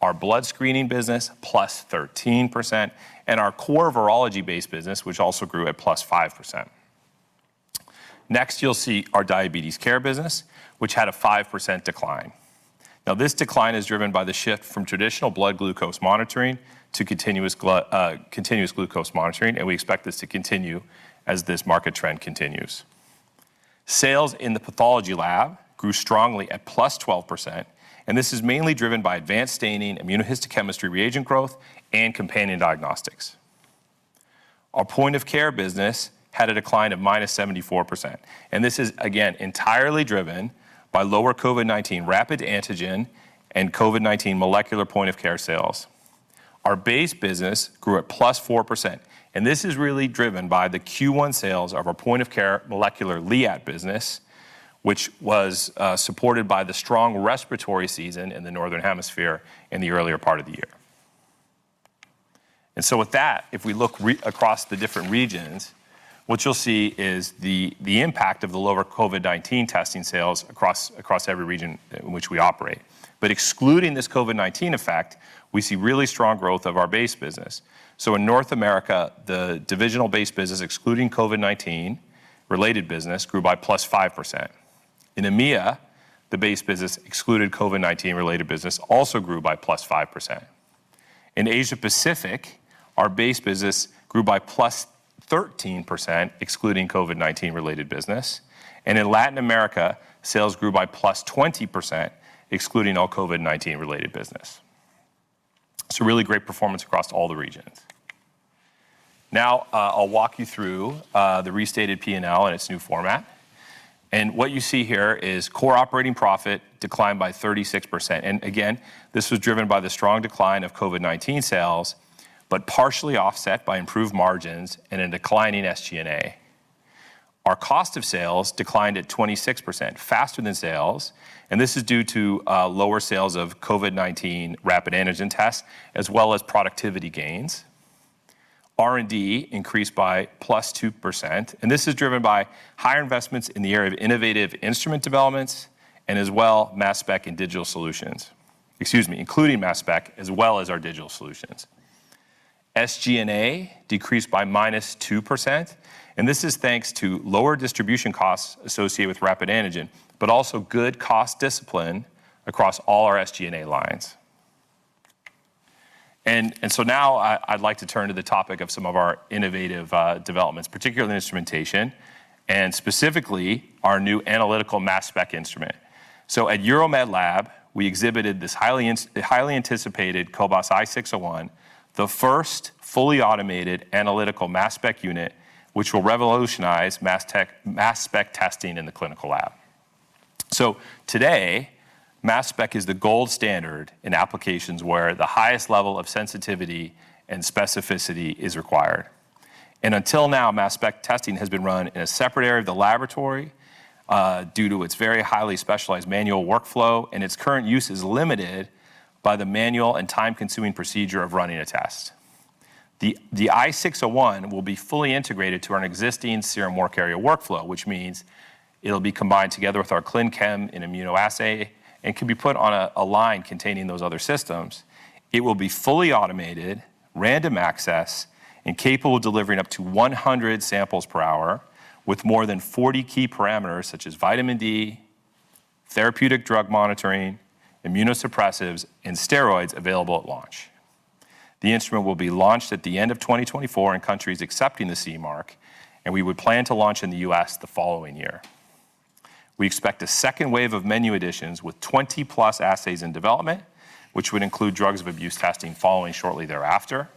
our blood screening business, +13%, and our core virology-based business, which also grew at +5%. You'll see our diabetes care business, which had a 5% decline. This decline is driven by the shift from traditional blood glucose monitoring to continuous glucose monitoring. We expect this to continue as this market trend continues. Sales in the pathology lab grew strongly at +12%. This is mainly driven by advanced staining, immunohistochemistry reagent growth, and companion Diagnostics. Our point-of-care business had a decline of -74%. This is, again, entirely driven by lower COVID-19 rapid antigen and COVID-19 molecular point-of-care sales. Our base business grew at +4%. This is really driven by the Q1 sales of our point-of-care molecular Liat business, which was supported by the strong respiratory season in the northern hemisphere in the earlier part of the year. With that, if we look across the different regions, what you'll see is the impact of the lower COVID-19 testing sales across every region in which we operate. Excluding this COVID-19 effect, we see really strong growth of our base business. In North America, the divisional base business, excluding COVID-19-related business, grew by +5%. In EMEA, the base business excluded COVID-19 related business also grew by +5%. In Asia Pacific, our base business grew by +13%, excluding COVID-19 related business, and in Latin America, sales grew by +20%, excluding all COVID-19 related business. Really great performance across all the regions. Now, I'll walk you through the restated P&L and its new format. What you see here is core operating profit declined by 36%. Again, this was driven by the strong decline of COVID-19 sales, but partially offset by improved margins and a declining SG&A. Our cost of sales declined at 26%, faster than sales, and this is due to lower sales of COVID-19 rapid antigen tests, as well as productivity gains. R&D increased by +2%, and this is driven by higher investments in the area of innovative instrument developments and as well, Mass Spec and digital solutions. Excuse me, including Mass Spec as well as our digital solutions. SG&A decreased by -2%, this is thanks to lower distribution costs associated with rapid antigen, but also good cost discipline across all our SG&A lines. Now I'd like to turn to the topic of some of our innovative developments, particularly in instrumentation, and specifically our new analytical Mass Spec instrument. At EuroMedLab, we exhibited this highly anticipated cobas i 601, the first fully automated analytical Mass Spec unit, which will revolutionize Mass Spec testing in the clinical lab. Today, Mass Spec is the gold standard in applications where the highest level of sensitivity and specificity is required. Until now, Mass Spec testing has been run in a separate area of the laboratory due to its very highly specialized manual workflow, and its current use is limited by the manual and time-consuming procedure of running a test. The cobas i 601 will be fully integrated to our existing serum work area workflow, which means it'll be combined together with our clin chem in immunoassay and can be put on a line containing those other systems. It will be fully automated, random access, and capable of delivering up to 100 samples per hour, with more than 40 key parameters, such as vitamin D, therapeutic drug monitoring, immunosuppressives, and steroids available at launch. The instrument will be launched at the end of 2024 in countries accepting the CE mark, and we would plan to launch in the U.S. the following year. We expect a second wave of menu additions with 20+ assays in development, which would include drugs of abuse testing following shortly thereafter.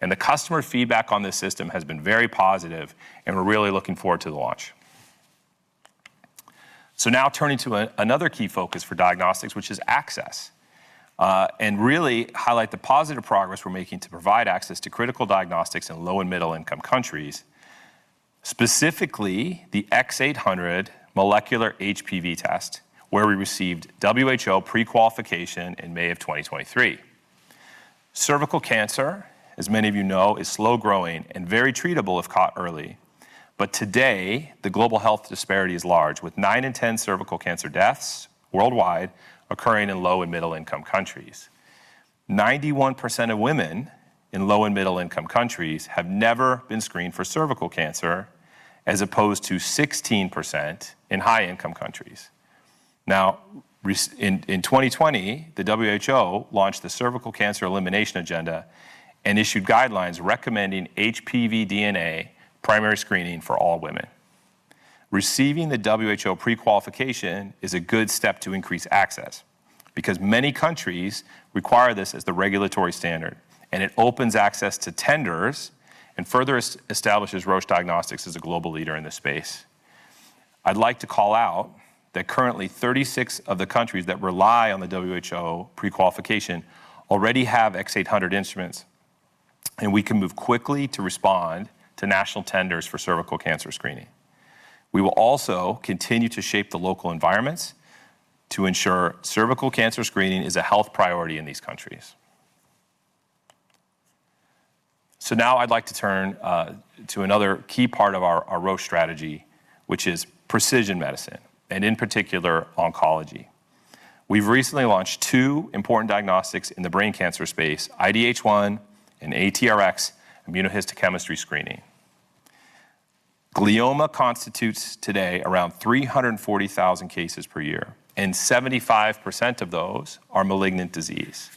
The customer feedback on this system has been very positive. We're really looking forward to the launch. Now turning to another key focus for Diagnostics, which is access, really highlight the positive progress we're making to provide access to critical Diagnostics in low and middle-income countries, specifically the cobas X800 molecular HPV test, where we received WHO pre-qualification in May of 2023. Cervical cancer, as many of you know, is slow-growing and very treatable if caught early. Today, the global health disparity is large, with nine in 10 cervical cancer deaths worldwide occurring in low and middle-income countries. 91% of women in low and middle-income countries have never been screened for cervical cancer, as opposed to 16% in high-income countries. In 2020, the WHO launched the Cervical Cancer Elimination Agenda and issued guidelines recommending HPV DNA primary screening for all women. Receiving the WHO pre-qualification is a good step to increase access, because many countries require this as the regulatory standard, and it opens access to tenders and further establishes Roche Diagnostics as a global leader in this space. I'd like to call out that currently, 36 of the countries that rely on the WHO pre-qualification already have X800 instruments, and we can move quickly to respond to national tenders for cervical cancer screening. We will also continue to shape the local environments to ensure cervical cancer screening is a health priority in these countries. Now I'd like to turn to another key part of our Roche strategy, which is precision medicine, and in particular, oncology. We've recently launched two important Diagnostics in the brain cancer space, IDH1 and ATRX immunohistochemistry screening. Glioma constitutes today around 340,000 cases per year, and 75% of those are malignant disease.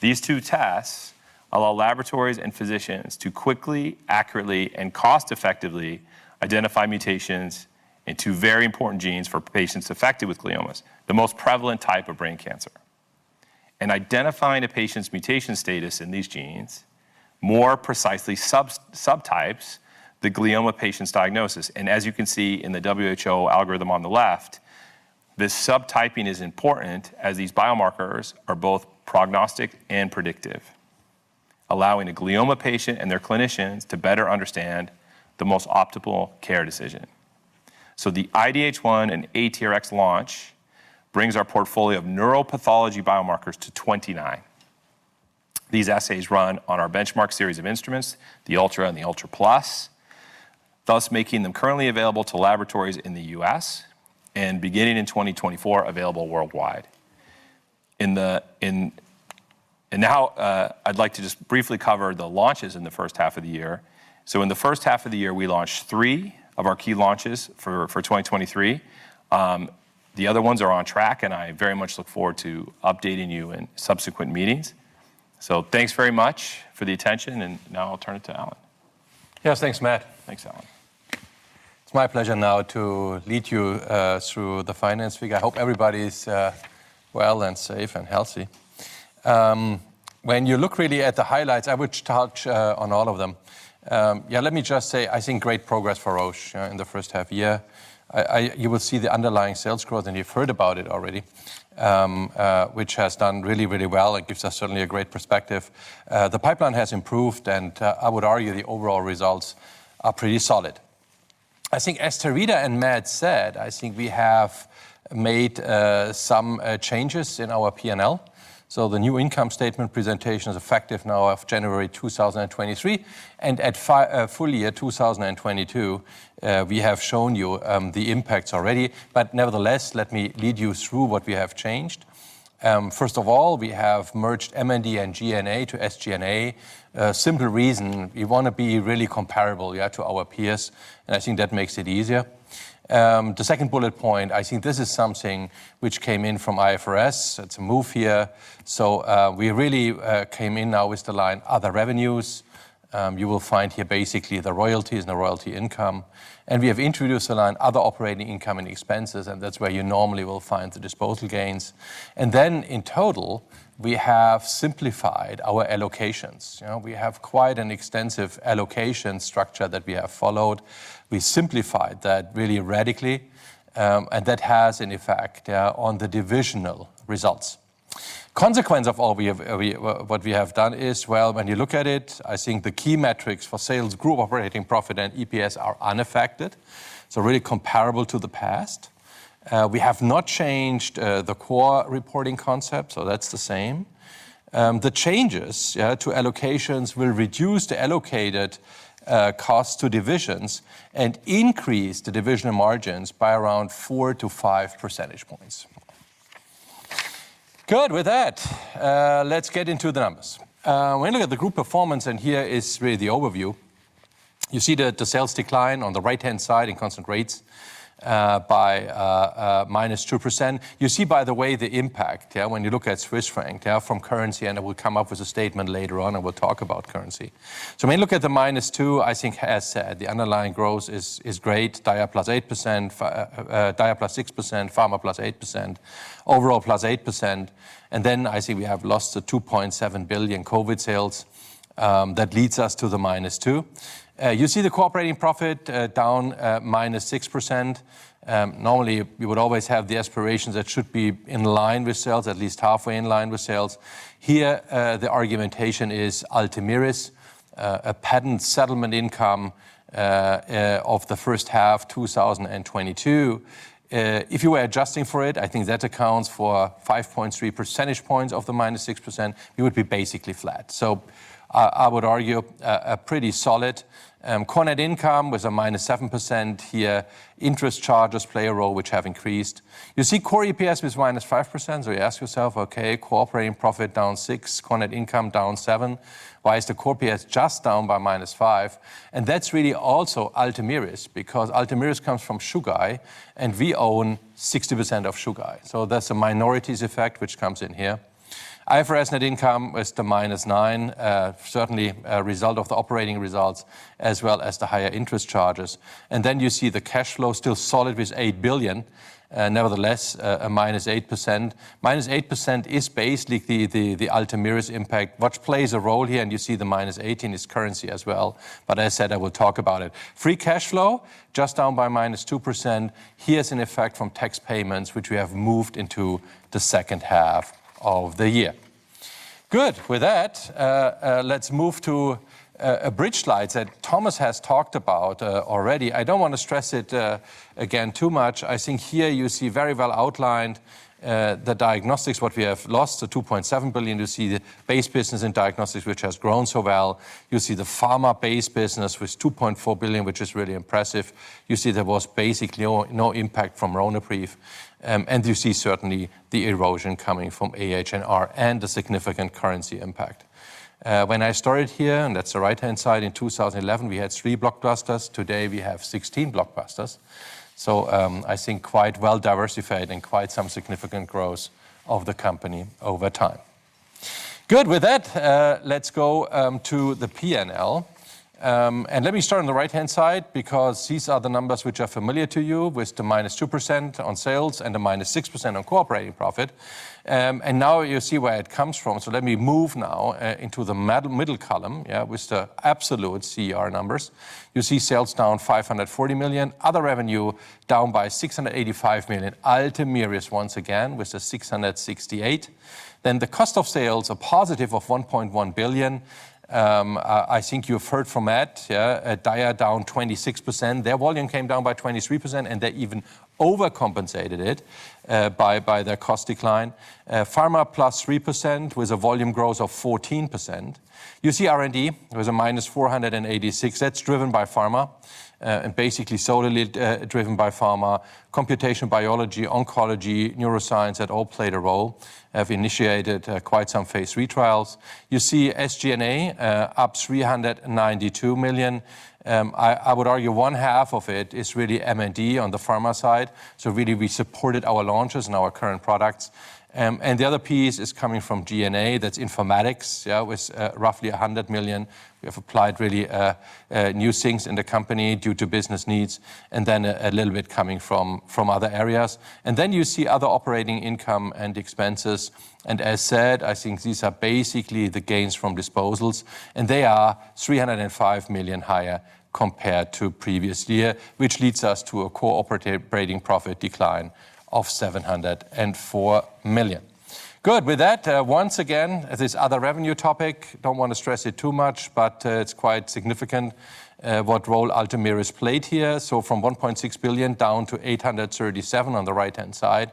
These two tests allow laboratories and physicians to quickly, accurately, and cost-effectively identify mutations in two very important genes for patients affected with gliomas, the most prevalent type of brain cancer. Identifying a patient's mutation status in these genes, more precisely subtypes, the glioma patient's diagnosis. As you can see in the WHO algorithm on the left, this subtyping is important as these biomarkers are both prognostic and predictive, allowing a glioma patient and their clinicians to better understand the most optimal care decision. The IDH1 and ATRX launch brings our portfolio of neuropathology biomarkers to 29. These assays run on our BenchMark series of instruments, the Ultra and the Ultra Plus, thus making them currently available to laboratories in the U.S. and beginning in 2024, available worldwide. Now I'd like to just briefly cover the launches in the first half of the year. In the first half of the year, we launched three of our key launches for 2023. The other ones are on track, and I very much look forward to updating you in subsequent meetings. Thanks very much for the attention, and now I'll turn it to Alan. Yes, thanks, Matt. Thanks, Alan. It's my pleasure now to lead you through the finance figure. I hope everybody's well and safe and healthy. When you look really at the highlights, I would touch on all of them. Yeah, let me just say, I think great progress for Roche in the first half year. You will see the underlying sales growth, and you've heard about it already, which has done really, really well. It gives us certainly a great perspective. The pipeline has improved, and I would argue the overall results are pretty solid. I think as Teresa and Matt said, I think we have made some changes in our P&L. The new income statement presentation is effective now of January 2023, and at full year 2022, we have shown you the impacts already. Nevertheless, let me lead you through what we have changed. First of all, we have merged M&D and G&A to SG&A. Simple reason, we want to be really comparable, yeah, to our peers, and I think that makes it easier. The second bullet point, I think this is something which came in from IFRS. It's a move here. We really came in now with the line, other revenues. You will find here basically the royalties and the royalty income, and we have introduced a line, other operating income and expenses, and that's where you normally will find the disposal gains. In total, we have simplified our allocations. You know, we have quite an extensive allocation structure that we have followed. We simplified that really radically, and that has an effect on the divisional results. Consequence of all we have, what we have done is, well, when you look at it, I think the key metrics for sales group, operating profit, and EPS are unaffected, so really comparable to the past. We have not changed the core reporting concept, so that's the same. The changes, yeah, to allocations will reduce the allocated cost to divisions and increase the divisional margins by around 4-5 percentage points. Good. With that, let's get into the numbers. When we look at the group performance, and here is really the overview, you see the sales decline on the right-hand side in constant rates by -2%. You see, by the way, the impact, when you look at Swiss franc, from currency. I will come up with a statement later on, and we'll talk about currency. When you look at the -2%, I think, as said, the underlying growth is great. Dia +8%, Dia +6%, Pharma +8%, overall +8%. I see we have lost the 2.7 billion COVID sales, that leads us to the -2%. You see the core operating profit, down, -6%. Normally, we would always have the aspirations that should be in line with sales, at least halfway in line with sales. Here, the argumentation is Ultomiris, a patent settlement income, of the first half 2022. If you were adjusting for it, I think that accounts for 5.3 percentage points of the -6%. You would be basically flat. I would argue, a pretty solid, core net income with a -7% here. Interest charges play a role, which have increased. You see core EPS is -5%, you ask yourself, "Okay, core operating profit down 6, core net income down 7. Why is the core EPS just down by -5?" That's really also Ultomiris, because Ultomiris comes from Chugai, and we own 60% of Chugai. There's a minorities effect, which comes in here. IFRS net income is the -9, certainly a result of the operating results, as well as the higher interest charges. You see the cash flow still solid with 8 billion, nevertheless, a -8%. -8% is basically the Ultomiris impact, which plays a role here, and you see the -8 in this currency as well. I said I will talk about it. Free cash flow, just down by -2%. Here's an effect from tax payments, which we have moved into the second half of the year. Good. With that, let's move to a bridge slide that Thomas has talked about already. I don't want to stress it again too much. I think here you see very well outlined the Diagnostics, what we have lost, the 2.7 billion. You see the base business in Diagnostics, which has grown so well. You see the Pharma-based business, which is CHR 2.4 billion, which is really impressive. You see there was basically no impact from Ronapreve. You see certainly the erosion coming from AHR and the significant currency impact. When I started here, and that's the right-hand side, in 2011, we had three blockbusters. Today, we have 16 blockbusters. I think quite well-diversified and quite some significant growth of the company over time. Good. With that, let's go to the P&L. Let me start on the right-hand side, because these are the numbers which are familiar to you, with the -2% on sales and the -6% on core operating profit. Now you see where it comes from. Let me move now into the middle column, yeah, with the absolute CR numbers. You see sales down 540 million, other revenue down by 685 million. Ultomiris, once again, with a 668. The cost of sales, a positive of 1.1 billion. I think you've heard from Matt, yeah, Dia down 26%. Their volume came down by 23%, and they even overcompensated it by their cost decline. Pharma, +3%, with a volume growth of 14%. You see R&D, it was a -486. That's driven by Pharma, and basically solely driven by Pharma. Computation, biology, oncology, neuroscience, that all played a role, have initiated quite some phase III trials. You see SG&A, up 392 million. I would argue one half of it is really M&D on the Pharma side, really, we supported our launches and our current products. The other piece is coming from G&A, that's informatics, yeah, with roughly 100 million. We have applied really new things in the company due to business needs, a little bit coming from other areas. You see other operating income and expenses. As said, I think these are basically the gains from disposals, and they are 305 million higher compared to previous year, which leads us to a cooperating profit decline of 704 million. Good. With that, once again, this other revenue topic, don't wanna stress it too much, but it's quite significant what role Ultomiris played here. From 1.6 billion down to 837 on the right-hand side,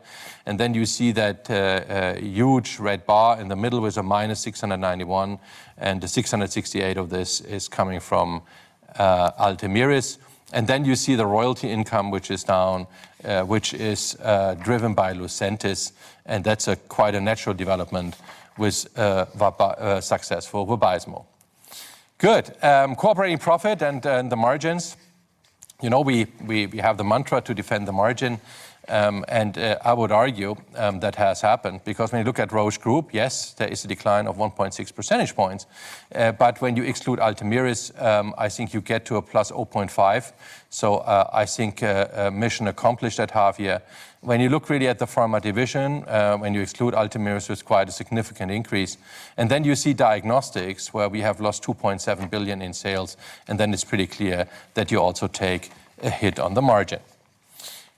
you see that huge red bar in the middle with a - 691, and the 668 of this is coming from Ultomiris. You see the royalty income, which is down, which is driven by Lucentis, and that's a quite a natural development with success for Vabysmo. Good. Core operating profit and the margins, you know, we have the mantra to defend the margin, and I would argue that has happened. When you look at Roche Group, yes, there is a decline of 1.6 percentage points, but when you exclude Ultomiris, I think you get to a +0.5, so I think mission accomplished at half year. When you look really at the pharma division, when you exclude Ultomiris, it's quite a significant increase. You see Diagnostics, where we have lost 2.7 billion in sales, and then it's pretty clear that you also take a hit on the margin.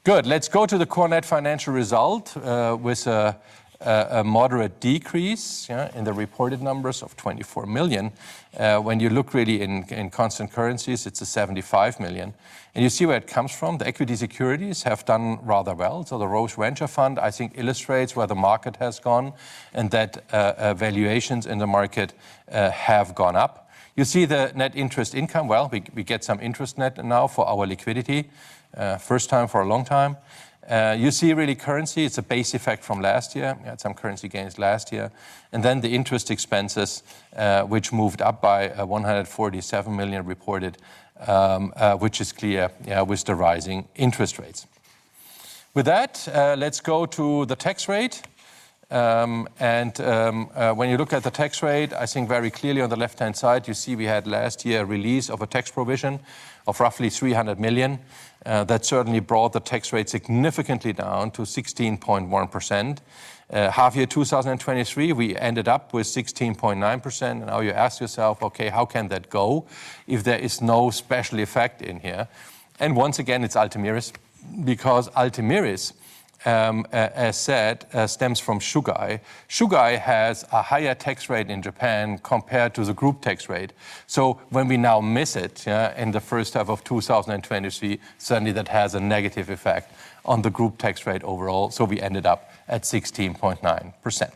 Good. Let's go to the core net financial result, with a moderate decrease in the reported numbers of 24 million. When you look really in, in constant currencies, it's 75 million, and you see where it comes from. The equity securities have done rather well, so the Roche Venture Fund, I think, illustrates where the market has gone and that valuations in the market have gone up. You see the net interest income. Well, we get some interest net now for our liquidity, first time for a long time. You see really currency, it's a base effect from last year. We had some currency gains last year. The interest expenses, which moved up by 147 million reported, which is clear, yeah, with the rising interest rates. With that, let's go to the tax rate. When you look at the tax rate, I think very clearly on the left-hand side, you see we had last year a release of a tax provision of roughly 300 million. That certainly brought the tax rate significantly down to 16.1%. Half year 2023, we ended up with 16.9%. You ask yourself, "Okay, how can that go if there is no special effect in here?" Once again, it's Ultomiris, because Ultomiris, as said, stems from Chugai. Chugai has a higher tax rate in Japan compared to the group tax rate. When we now miss it, in the first half of 2023, certainly that has a negative effect on the group tax rate overall. We ended up at 16.9%.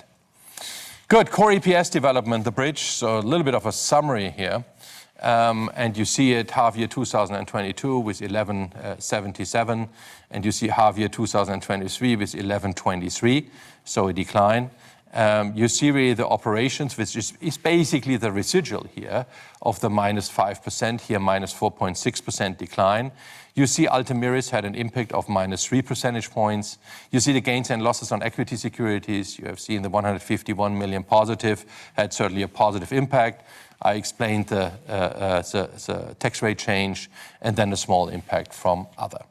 Good. Core EPS development, the bridge, a little bit of a summary here. You see it half year 2022 with 11.77, and you see half year 2023 with 11.23, a decline. You see where the operations, which is basically the residual here of the -5%, here, -4.6% decline. You see Ultomiris had an impact of -3 percentage points. You see the gains and losses on equity securities. You have seen the 151 million positive, had certainly a positive impact. I explained the tax rate change and then the small impact from other.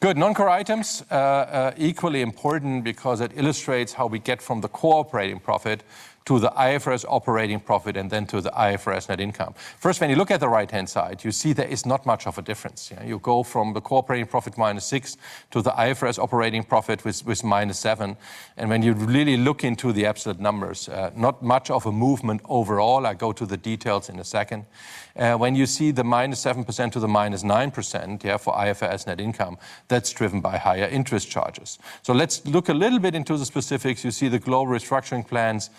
Good. Non-core items are equally important because it illustrates how we get from the core operating profit to the IFRS operating profit and then to the IFRS net income. First, when you look at the right-hand side, you see there is not much of a difference. You go from the core operating profit, -6, to the IFRS operating profit, with -7. When you really look into the absolute numbers, not much of a movement overall. I go to the details in a second. When you see the -7% to the -9% for IFRS net income, that's driven by higher interest charges. Let's look a little bit into the specifics. You see the global restructuring plans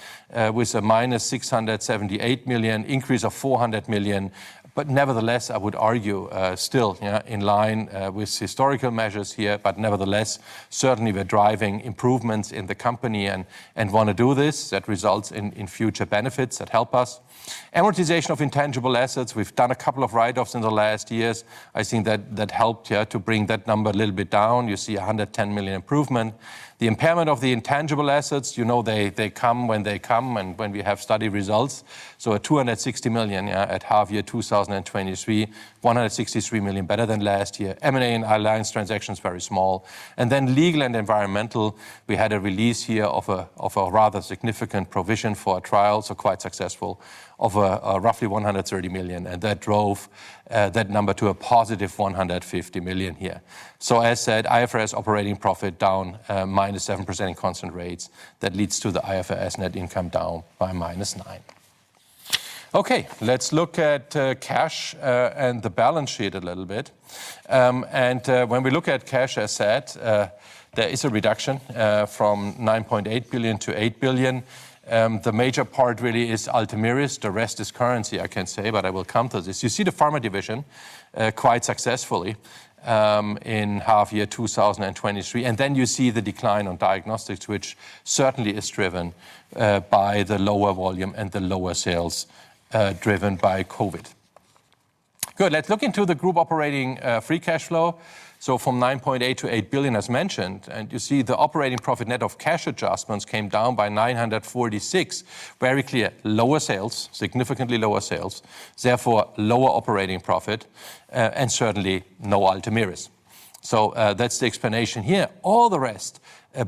with a -678 million, increase of 400 million, but nevertheless, I would argue, still in line with historical measures here, but nevertheless, certainly we're driving improvements in the company and wanna do this. That results in future benefits that help us. Amortization of intangible assets, we've done a couple of write-offs in the last years. I think that helped to bring that number a little bit down. You see a 110 million improvement. The impairment of the intangible assets, you know, they come when they come and when we have study results, a 260 million at half year 2023, 163 million better than last year. M&A and alliance transactions, very small. Legal and environmental, we had a release here of a rather significant provision for a trial, quite successful, of a roughly 130 million, that drove that number to a positive 150 million here. As said, IFRS operating profit down -7% in constant rates. That leads to the IFRS net income down by -9%. Let's look at cash and the balance sheet a little. When we look at cash asset, there is a reduction from 9.8 billion to 8 billion. The major part really is Ultomiris. The rest is currency, I can say. I will come to this. You see the Pharma division quite successfully in half year 2023. You see the decline on Diagnostics, which certainly is driven by the lower volume and the lower sales driven by COVID. Good. Let's look into the group operating free cash flow. From 9.8 billion to 8 billion, as mentioned, you see the operating profit net of cash adjustments came down by 946. Very clear. Lower sales, significantly lower sales, therefore lower operating profit. Certainly no Ultomiris. That's the explanation here. All the rest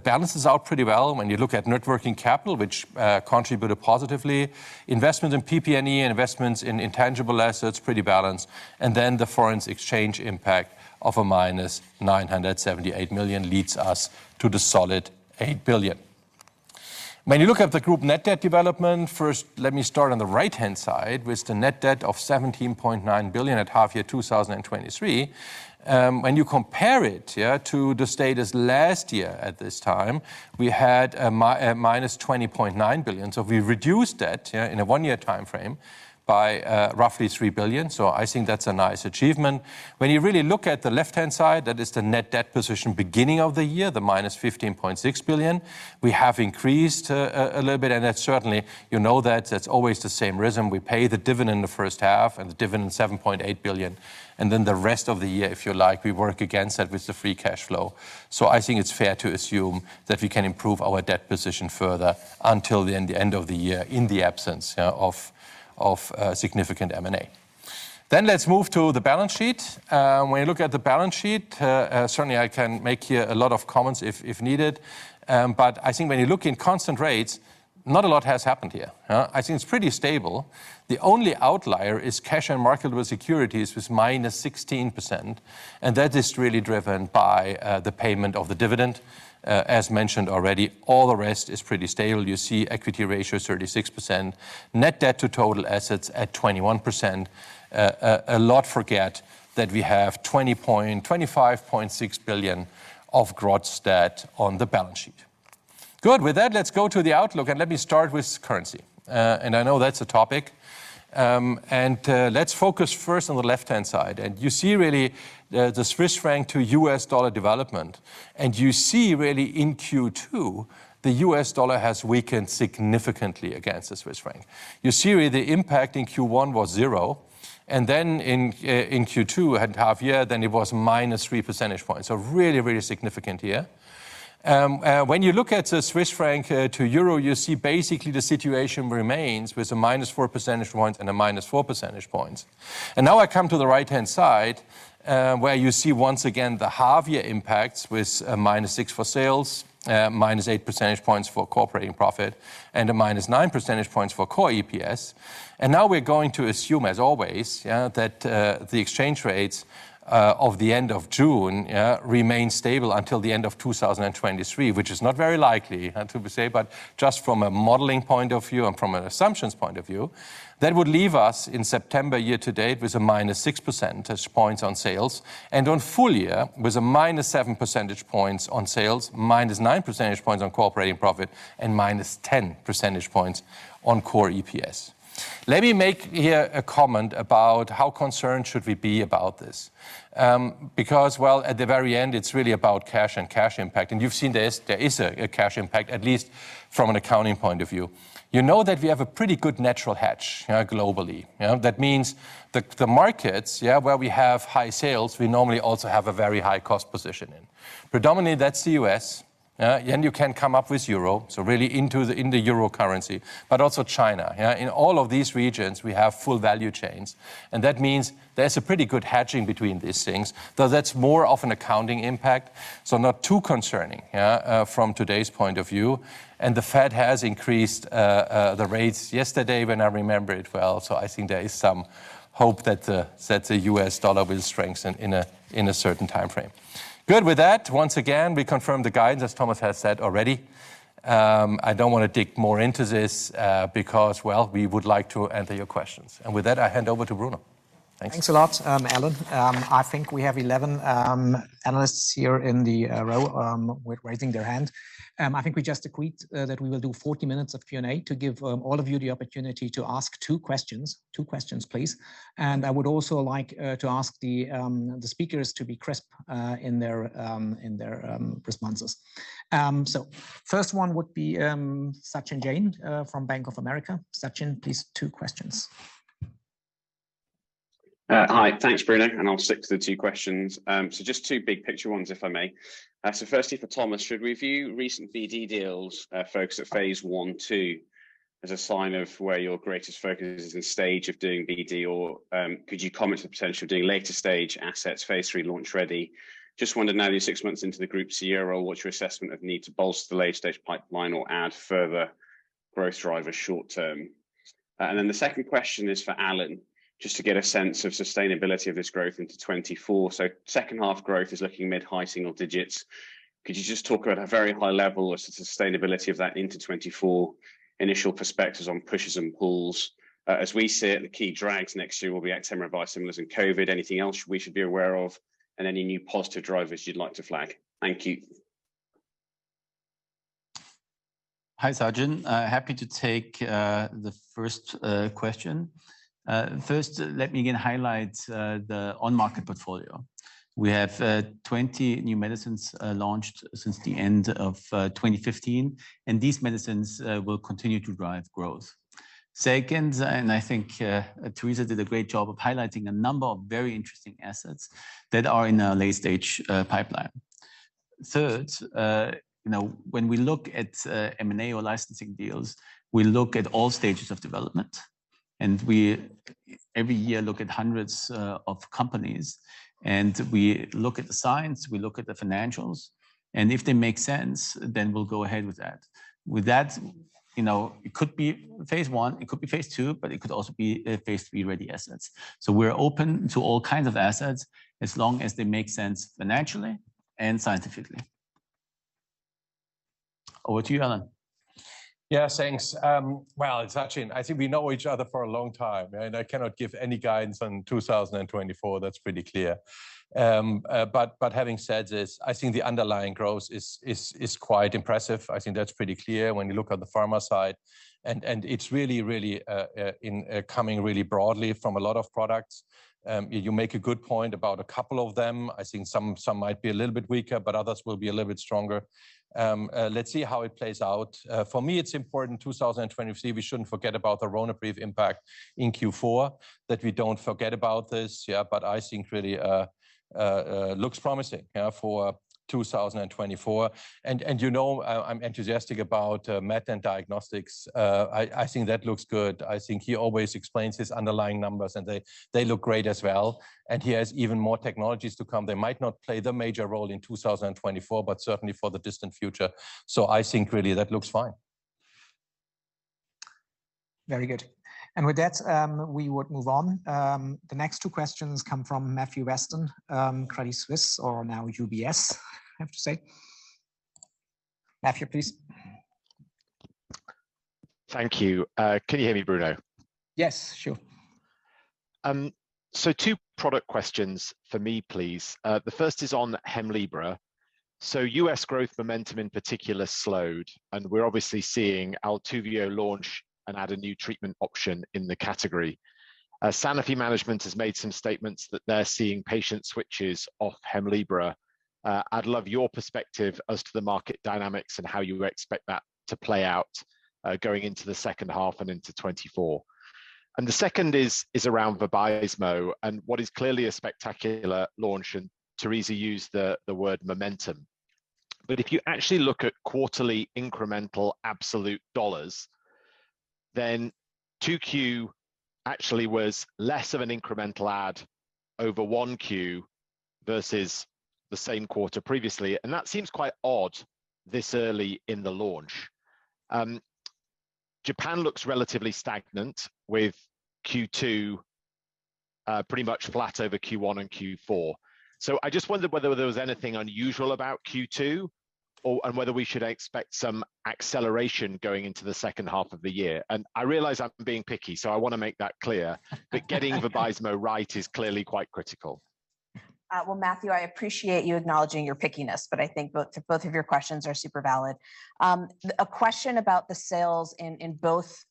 balances out pretty well when you look at net working capital, which contributed positively. Investment in PP&E and investments in intangible assets, pretty balanced, and then the foreign exchange impact of a minus 978 million leads us to the solid 8 billion. When you look at the group net debt development, first, let me start on the right-hand side with the net debt of 17.9 billion at half year 2023. When you compare it, yeah, to the status last year at this time, we had a minus 20.9 billion. We reduced that, yeah, in a one-year time frame by roughly 3 billion. I think that's a nice achievement. When you really look at the left-hand side, that is the net debt position beginning of the year, the -15.6 billion, we have increased a little bit, and that's certainly, you know that's always the same rhythm. We pay the dividend the first half and the dividend 7.8 billion, and then the rest of the year, if you like, we work against that with the free cash flow. I think it's fair to assume that we can improve our debt position further until the end of the year, in the absence of significant M&A. Let's move to the balance sheet. When you look at the balance sheet, certainly I can make here a lot of comments if, if needed, but I think when you look in constant rates, not a lot has happened here, huh? I think it's pretty stable. The only outlier is cash and marketable securities with -16%, and that is really driven by the payment of the dividend. As mentioned already, all the rest is pretty stable. You see equity ratio is 36%, net debt to total assets at 21%. A lot forget that we have 25.6 billion of gross debt on the balance sheet. Good. With that, let's go to the outlook, and let me start with currency. I know that's a topic. Let's focus first on the left-hand side, you see really the Swiss franc to US dollar development, you see really in Q2, the US dollar has weakened significantly against the Swiss franc. You see the impact in Q1 was 0, then in Q2, at half year, then it was -3 percentage points. Really significant here. When you look at the Swiss franc to euro, you see basically the situation remains with a -4 percentage points and a -4 percentage points. Now I come to the right-hand side, where you see once again the half-year impacts with a -6 for sales, -8 percentage points for core operating profit, and a -9 percentage points for core EPS. Now we're going to assume, as always, that the exchange rates of the end of June remain stable until the end of 2023, which is not very likely to say, but just from a modeling point of view and from an assumptions point of view, that would leave us in September year to date with a -6 percentage points on sales and on full year with a -7 percentage points on sales, -9 percentage points on core operating profit, and -10 percentage points on core EPS. Let me make here a comment about how concerned should we be about this. Because, well, at the very end, it's really about cash and cash impact, and you've seen this, there is a cash impact, at least from an accounting point of view. You know that we have a pretty good natural hedge, globally. That means the markets, yeah, where we have high sales, we normally also have a very high cost position in. Predominantly, that's the U.S., and you can come up with euro, so really into the euro currency, but also China. In all of these regions, we have full value chains, and that means there's a pretty good hedging between these things, though that's more of an accounting impact, so not too concerning, yeah, from today's point of view. The Fed has increased the rates yesterday, when I remember it well, so I think there is some hope that the US dollar will strengthen in a certain time frame. Good. With that, once again, we confirm the guidance, as Thomas has said already. I don't want to dig more into this, because, well, we would like to answer your questions. With that, I hand over to Bruno. Thanks. Thanks a lot, Alan. I think we have 11 analysts here in the row with raising their hand. I think we just agreed that we will do 40 minutes of Q&A to give all of you the opportunity to ask two questions. Two questions, please. I would also like to ask the speakers to be crisp in their responses. First one would be Sachin Jain from Bank of America. Sachin, please, two questions. Hi. Thanks, Bruno, and I'll stick to the two questions. Just two big picture ones, if I may. Firstly, for Thomas, should we view recent BD deals, focused at phase I, II as a sign of where your greatest focus is in stage of doing BD? Could you comment on the potential of doing later-stage assets, phase III, launch-ready? Just wondered, now that you're six months into the group's year role, what's your assessment of need to bolster the late-stage pipeline or add further?... growth driver short term? And then the second question is for Alan, just to get a sense of sustainability of this growth into 2024. Second half growth is looking mid-high single digits. Could you just talk about a very high level as to sustainability of that into 2024, initial perspectives on pushes and pulls? As we sit, the key drags next to you will be XM or biosimilars and COVID. Anything else we should be aware of, and any new positive drivers you'd like to flag? Thank you. Hi, Sachin. Happy to take the first question. First, let me again highlight the on-market portfolio. We have 20 new medicines launched since the end of 2015. These medicines will continue to drive growth. Second, I think Teresa did a great job of highlighting a number of very interesting assets that are in a late-stage pipeline. Third, you know, when we look at M&A or licensing deals, we look at all stages of development. We, every year, look at hundreds of companies. We look at the science, we look at the financials. If they make sense, we'll go ahead with that. With that, you know, it could be phase I, it could be phase II. It could also be a phase III-ready assets. We're open to all kinds of assets as long as they make sense financially and scientifically. Over to you, Alan. Yeah, thanks. Well, Sachin, I think we know each other for a long time. I cannot give any guidance on 2024. That's pretty clear. Having said this, I think the underlying growth is quite impressive. I think that's pretty clear when you look at the Pharma side. It's really coming broadly from a lot of products. You make a good point about a couple of them. I think some might be a little bit weaker, but others will be a little bit stronger. Let's see how it plays out. For me, it's important 2023, we shouldn't forget about the Ronapreve impact in Q4, that we don't forget about this. I think really looks promising for 2024. You know, I'm enthusiastic about Matt in Diagnostics. I think that looks good. I think he always explains his underlying numbers, and they look great as well, and he has even more technologies to come. They might not play the major role in 2024, but certainly for the distant future. I think really that looks fine. Very good. With that, we would move on. The next two questions come from Matthew Weston, Credit Suisse, or now UBS, I have to say. Matthew, please. Thank you. Can you hear me, Bruno? Yes, sure. Two product questions for me, please. The first is on Hemlibra. U.S. growth momentum in particular slowed, and we're obviously seeing ALTUVIIIO launch and add a new treatment option in the category. Sanofi management has made some statements that they're seeing patient switches off Hemlibra. I'd love your perspective as to the market dynamics and how you expect that to play out, going into the second half and into 2024. The second is around Vabysmo and what is clearly a spectacular launch, and Teresa used the word momentum. But if you actually look at quarterly incremental absolute dollars, then 2Q actually was less of an incremental add over 1Q versus the same quarter previously, and that seems quite odd this early in the launch. Japan looks relatively stagnant, with Q2 pretty much flat over Q1 and Q4. I just wondered whether there was anything unusual about Q2, and whether we should expect some acceleration going into the second half of the year. I realize I'm being picky, so I want to make that clear. Getting Vabysmo right is clearly quite critical. Well, Matthew, I appreciate you acknowledging your pickiness, but I think both of your questions are super valid. A question about the sales in both,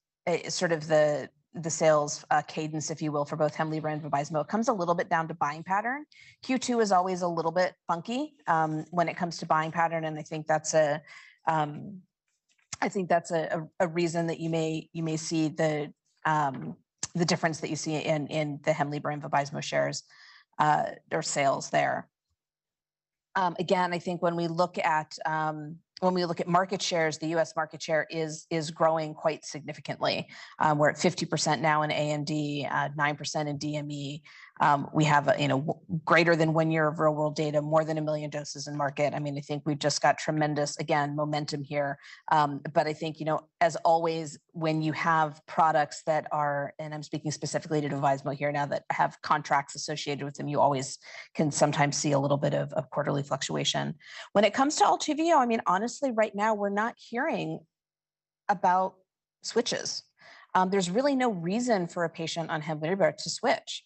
sort of the sales cadence, if you will, for both Hemlibra and Vabysmo, it comes a little bit down to buying pattern. Q2 is always a little bit funky, when it comes to buying pattern, and I think that's a, I think that's a reason that you may see the difference that you see in the Hemlibra and Vabysmo shares or sales there. Again, I think when we look at market shares, the U.S. market share is growing quite significantly. We're at 50% now in AMD, at 9% in DME. We have, you know, greater than one year of real-world data, more than 1 million doses in market. I mean, I think we've just got tremendous, again, momentum here. I think, you know, as always, when you have products that are... I'm speaking specifically to Vabysmo here now, that have contracts associated with them, you always can sometimes see a little bit of quarterly fluctuation. When it comes to ALTUVIIIO, I mean, honestly, right now, we're not hearing about switches. There's really no reason for a patient on Hemlibra to switch.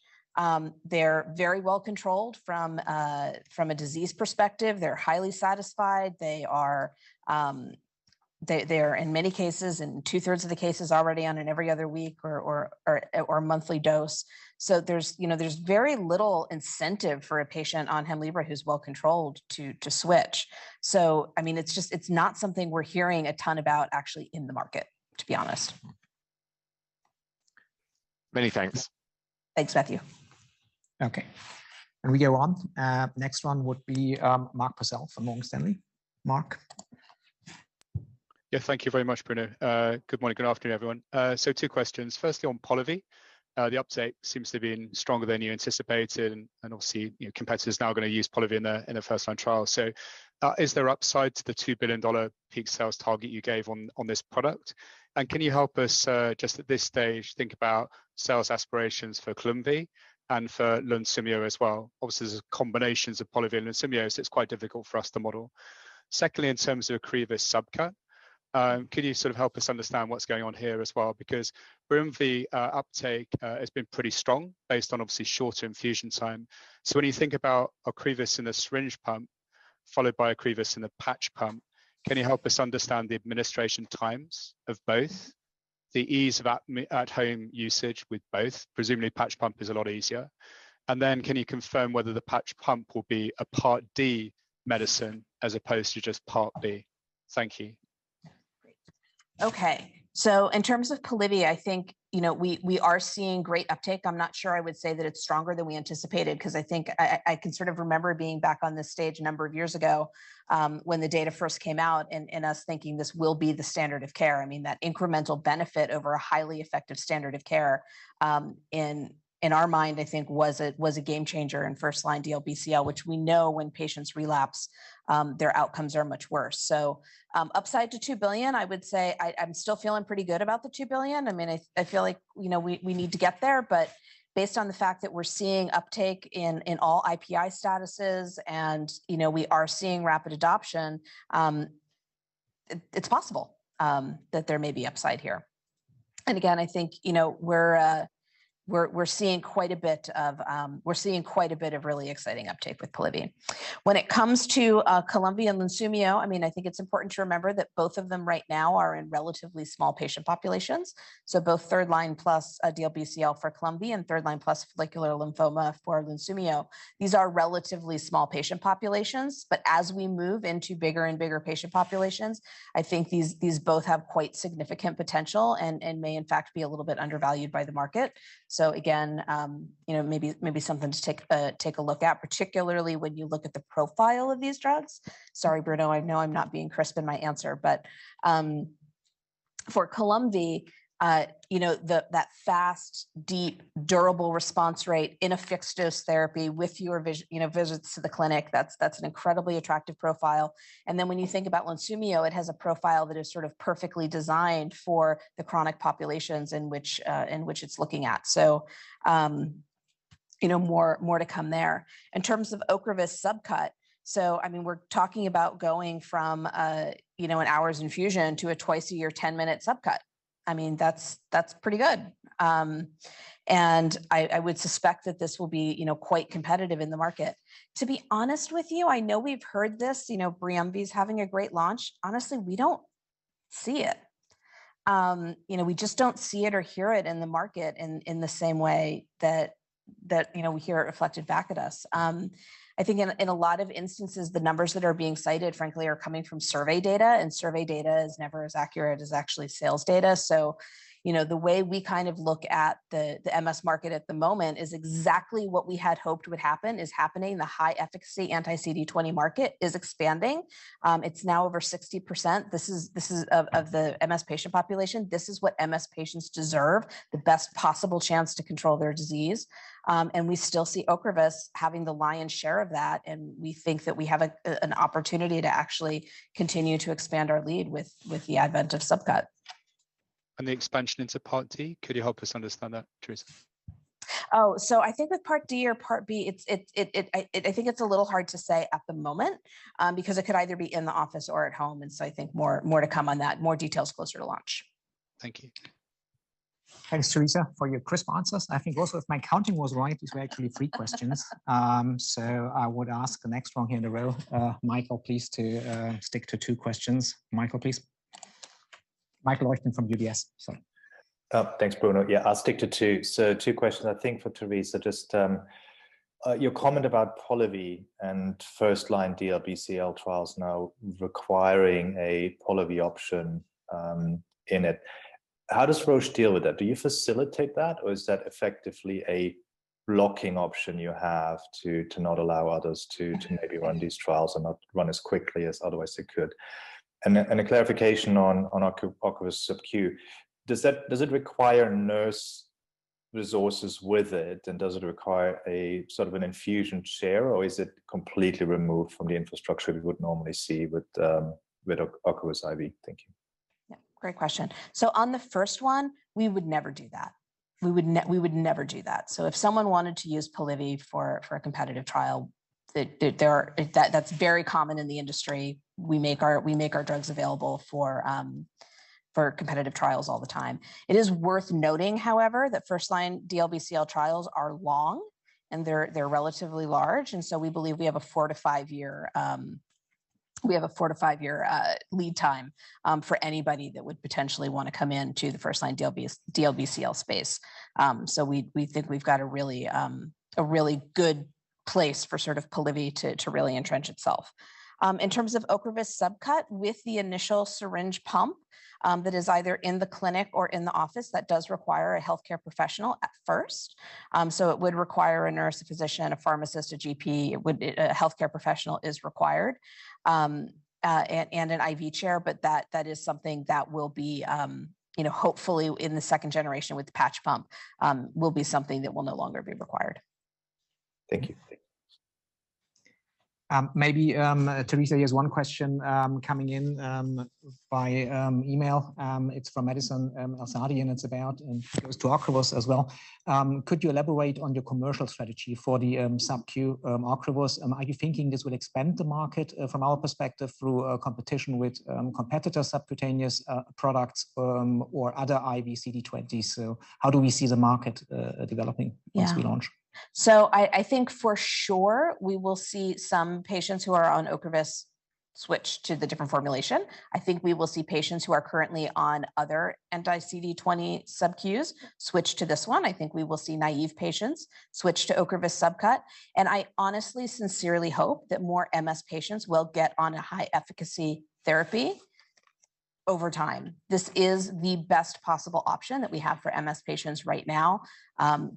They're very well controlled from a disease perspective. They're highly satisfied. They are, in many cases, in two-thirds of the cases already on an every other week or monthly dose. There's, you know, there's very little incentive for a patient on Hemlibra who's well controlled to switch. I mean, it's just, it's not something we're hearing a ton about actually in the market, to be honest. Many thanks. Thanks, Matthew. Okay. We go on. Next one would be, Mark Purcell from Morgan Stanley. Mark? Yeah, thank you very much, Bruno. Good morning, good afternoon, everyone. Two questions. Firstly, on Polivy, the uptake seems to have been stronger than you anticipated, and obviously, your competitor's now going to use Polivy in a first-line trial. Is there upside to the CHF 2 billion peak sales target you gave on this product? Can you help us just at this stage, think about sales aspirations for Columvi and for Lunsumio as well? Obviously, there's combinations of Polivy and Lunsumio, so it's quite difficult for us to model. Secondly, in terms of Ocrevus subcut, could you sort of help us understand what's going on here as well? Because Briumvi uptake has been pretty strong based on obviously shorter infusion time. When you think about Ocrevus in a syringe pump, followed by Ocrevus in a patch pump, can you help us understand the administration times of both, the ease of at home usage with both? Presumably patch pump is a lot easier. Can you confirm whether the patch pump will be a Part D medicine as opposed to just Part B? Thank you. Great. Okay. In terms of Polivy, I think, you know, we are seeing great uptake. I'm not sure I would say that it's stronger than we anticipated, 'cause I think I can sort of remember being back on this stage a number of years ago, when the data first came out, and us thinking this will be the standard of care. I mean, that incremental benefit over a highly effective standard of care, in our mind, I think was a game changer in first-line DLBCL, which we know when patients relapse, their outcomes are much worse. Upside to 2 billion, I would say I'm still feeling pretty good about the 2 billion. I mean, I feel like, you know, we need to get there, but based on the fact that we're seeing uptake in, in all IPI statuses, and, you know, we are seeing rapid adoption, it's possible that there may be upside here. Again, I think, you know, we're seeing quite a bit of... We're seeing quite a bit of really exciting uptake with Polivy. When it comes to Columvi and Lunsumio, I mean, I think it's important to remember that both of them right now are in relatively small patient populations. Both third line plus DLBCL for Columvi and third line plus follicular lymphoma for Lunsumio. These are relatively small patient populations, as we move into bigger and bigger patient populations, I think these both have quite significant potential and may in fact be a little bit undervalued by the market. Again, you know, maybe something to take a look at, particularly when you look at the profile of these drugs. Sorry, Bruno, I know I'm not being crisp in my answer, for Columvi, you know, that fast, deep, durable response rate in a fixed dose therapy with fewer visits to the clinic, that's an incredibly attractive profile. When you think about Lunsumio, it has a profile that is sort of perfectly designed for the chronic populations in which it's looking at. You know, more to come there. In terms of Ocrevus subcut, I mean, we're talking about going from, you know, an hours infusion to a twice a year, 10-minute subcut. I mean, that's pretty good. I would suspect that this will be, you know, quite competitive in the market. To be honest with you, I know we've heard this, you know, Briumvi's having a great launch. Honestly, we don't see it. You know, we just don't see it or hear it in the market in the same way that, you know, we hear it reflected back at us. I think in a lot of instances, the numbers that are being cited, frankly, are coming from survey data, survey data is never as accurate as actually sales data. You know, the way we kind of look at the MS market at the moment is exactly what we had hoped would happen is happening. The high efficacy anti-CD20 market is expanding. It's now over 60%. This is of the MS patient population. This is what MS patients deserve: the best possible chance to control their disease. We still see Ocrevus having the lion's share of that, and we think that we have an opportunity to actually continue to expand our lead with the advent of Subcut. The expansion into Part D, could you help us understand that, Teresa? I think with Part D or Part B, it's I think it's a little hard to say at the moment, because it could either be in the office or at home, I think more to come on that, more details closer to launch. Thank you. Thanks, Teresa, for your crisp answers. I think also, if my counting was right, these were actually three questions. I would ask the next one here in the row, Michael, please, to stick to two questions. Michael Leuchten from UBS. Sorry. Thanks, Bruno. Yeah, I'll stick to two. Two questions, I think, for Teresa. Just, your comment about Polivy and first-line DLBCL trials now requiring a Polivy option in it. How does Roche deal with that? Do you facilitate that, or is that effectively a blocking option you have to not allow others to maybe run these trials and not run as quickly as otherwise they could? A clarification on Ocrevus sub-Q. Does it require nurse resources with it, and does it require a sort of an infusion chair, or is it completely removed from the infrastructure we would normally see with Ocrevus IV? Thank you. Great question. On the first one, we would never do that. We would never do that. If someone wanted to use Polivy for a competitive trial, that's very common in the industry. We make our drugs available for competitive trials all the time. It is worth noting, however, that first-line DLBCL trials are long, and they're relatively large, we believe we have a four to five year lead time for anybody that would potentially want to come in to the first-line DLBCL space. We think we've got a really good place for sort of Polivy to really entrench itself. In terms of Ocrevus subcut, with the initial syringe pump. that is either in the clinic or in the office that does require a healthcare professional at first. It would require a nurse, a physician, a pharmacist, a GP, a healthcare professional is required, and an IV chair. That, that is something that will be, you know, hopefully in the second generation with the patch pump, will be something that will no longer be required. Thank you. Maybe Teresa, here's one question coming in by email. It's from [Edison Alsadian], and it's about, and goes to Ocrevus as well. Could you elaborate on your commercial strategy for the subq Ocrevus? Are you thinking this will expand the market from our perspective through a competition with competitor subcutaneous products or other IV CD20? How do we see the market developing? Yeah once we launch? I think for sure we will see some patients who are on Ocrevus switch to the different formulation. I think we will see patients who are currently on other anti-CD20 subQs switch to this one. I think we will see naive patients switch to Ocrevus subcut. I honestly, sincerely hope that more MS patients will get on a high efficacy therapy over time. This is the best possible option that we have for MS patients right now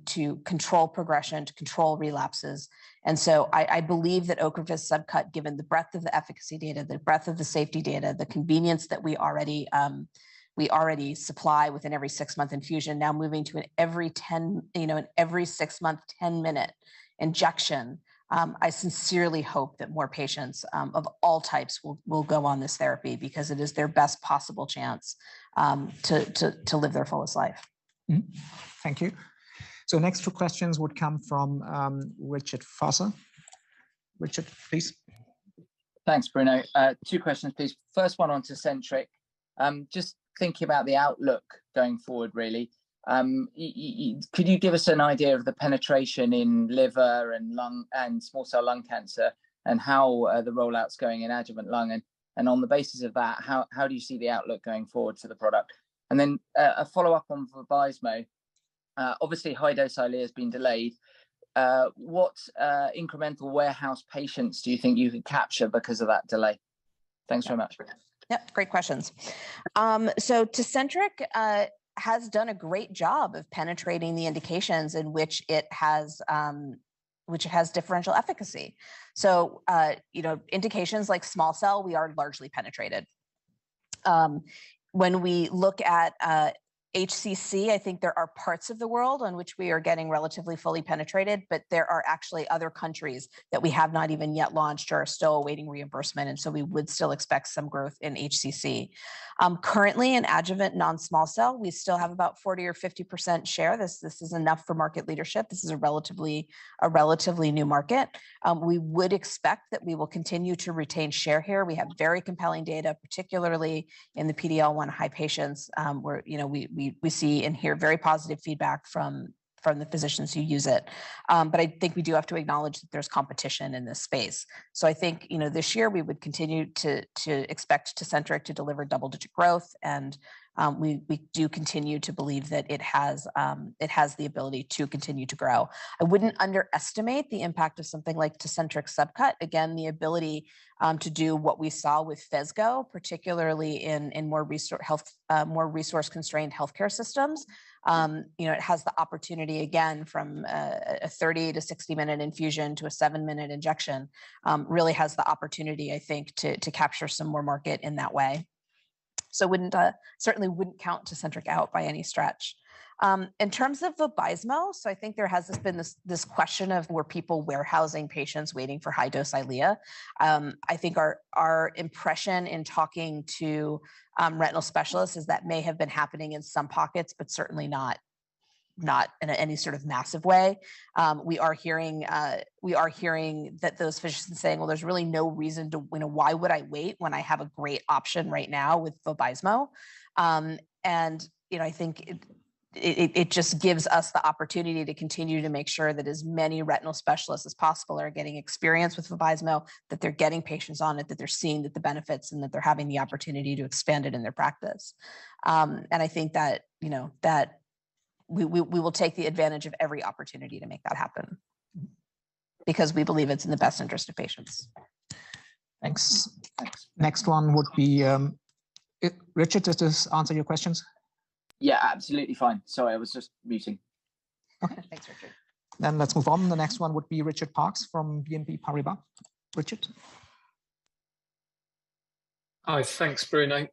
to control progression, to control relapses. I believe that Ocrevus subcut, given the breadth of the efficacy data, the breadth of the safety data, the convenience that we already supply within every 6-month infusion, now moving to an every 10... you know, an every six-month, 10-minute injection, I sincerely hope that more patients, of all types will go on this therapy because it is their best possible chance, to live their fullest life. Thank you. Next two questions would come from Richard Vosser. Richard, please. Thanks, Bruno. Two questions, please. First one on Tecentriq. Just thinking about the outlook going forward, really, could you give us an idea of the penetration in liver and lung and small cell lung cancer, and how the rollout's going in adjuvant lung? On the basis of that, how do you see the outlook going forward for the product? A follow-up on Vabysmo. Obviously, high-dose Eylea has been delayed. What incremental warehouse patients do you think you could capture because of that delay? Thanks very much. Yep, great questions. Tecentriq has done a great job of penetrating the indications in which it has, which it has differential efficacy. You know, indications like small cell, we are largely penetrated. When we look at HCC, I think there are parts of the world on which we are getting relatively fully penetrated, but there are actually other countries that we have not even yet launched or are still awaiting reimbursement, we would still expect some growth in HCC. Currently, in adjuvant non-small cell, we still have about 40 or 50% share. This is enough for market leadership. This is a relatively new market. We would expect that we will continue to retain share here. We have very compelling data, particularly in the PDL-1 high patients, where, you know, we see and hear very positive feedback from the physicians who use it. I think we do have to acknowledge that there's competition in this space. I think, you know, this year we would continue to expect Tecentriq to deliver double-digit growth, we do continue to believe that it has the ability to continue to grow. I wouldn't underestimate the impact of something like Tecentriq subcut. Again, the ability, to do what we saw with Phesgo, particularly in more resource-constrained healthcare systems. you know, it has the opportunity, again, from a, a 30- to 60-minute infusion to a seven-minute injection, really has the opportunity, I think, to, to capture some more market in that way. Wouldn't certainly wouldn't count Tecentriq out by any stretch. In terms of Vabysmo, I think there has this, been this, this question of were people warehousing patients waiting for high-dose Eylea? I think our, our impression in talking to retinal specialists is that may have been happening in some pockets, but certainly not, not in a any sort of massive way. We are hearing that those physicians saying: "Well, there's really no reason to... you know, why would I wait when I have a great option right now with Vabysmo?" you know, I think it just gives us the opportunity to continue to make sure that as many retinal specialists as possible are getting experience with Vabysmo, that they're getting patients on it, that they're seeing the benefits, and that they're having the opportunity to expand it in their practice. I think that, you know, that we will take the advantage of every opportunity to make that happen, because we believe it's in the best interest of patients. Thanks. Next one would be, Richard, does this answer your questions? Absolutely fine. Sorry, I was just muting. Okay, thanks, Richard. Let's move on. The next one would be Richard Parkes from BNP Paribas. Richard? Hi. Thanks, Bruno.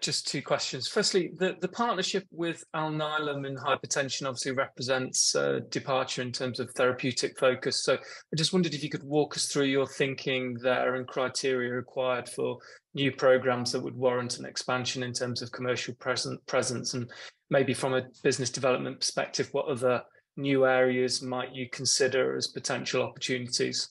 Just two questions. Firstly, the partnership with Alnylam in hypertension obviously represents a departure in terms of therapeutic focus. I just wondered if you could walk us through your thinking there, and criteria required for new programs that would warrant an expansion in terms of commercial presence, and maybe from a business development perspective, what other new areas might you consider as potential opportunities?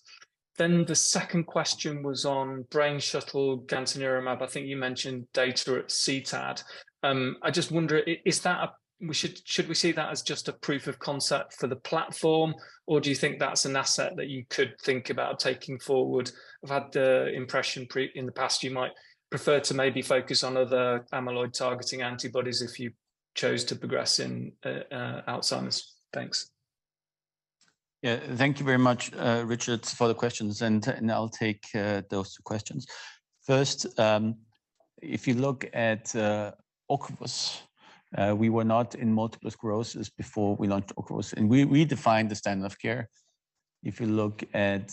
The second question was on Brain Shuttle, gantenerumab. I think you mentioned data at CTAD. I just wonder, should we see that as just a proof of concept for the platform, or do you think that's an asset that you could think about taking forward? I've had the impression in the past, you might prefer to maybe focus on other amyloid-targeting antibodies if you chose to progress in Alzheimer's. Thanks. Yeah, thank you very much, Richard, for the questions, I'll take those two questions. First, if you look at Ocrevus, we were not in multiple sclerosis before we launched Ocrevus, and we defined the standard of care. If you look at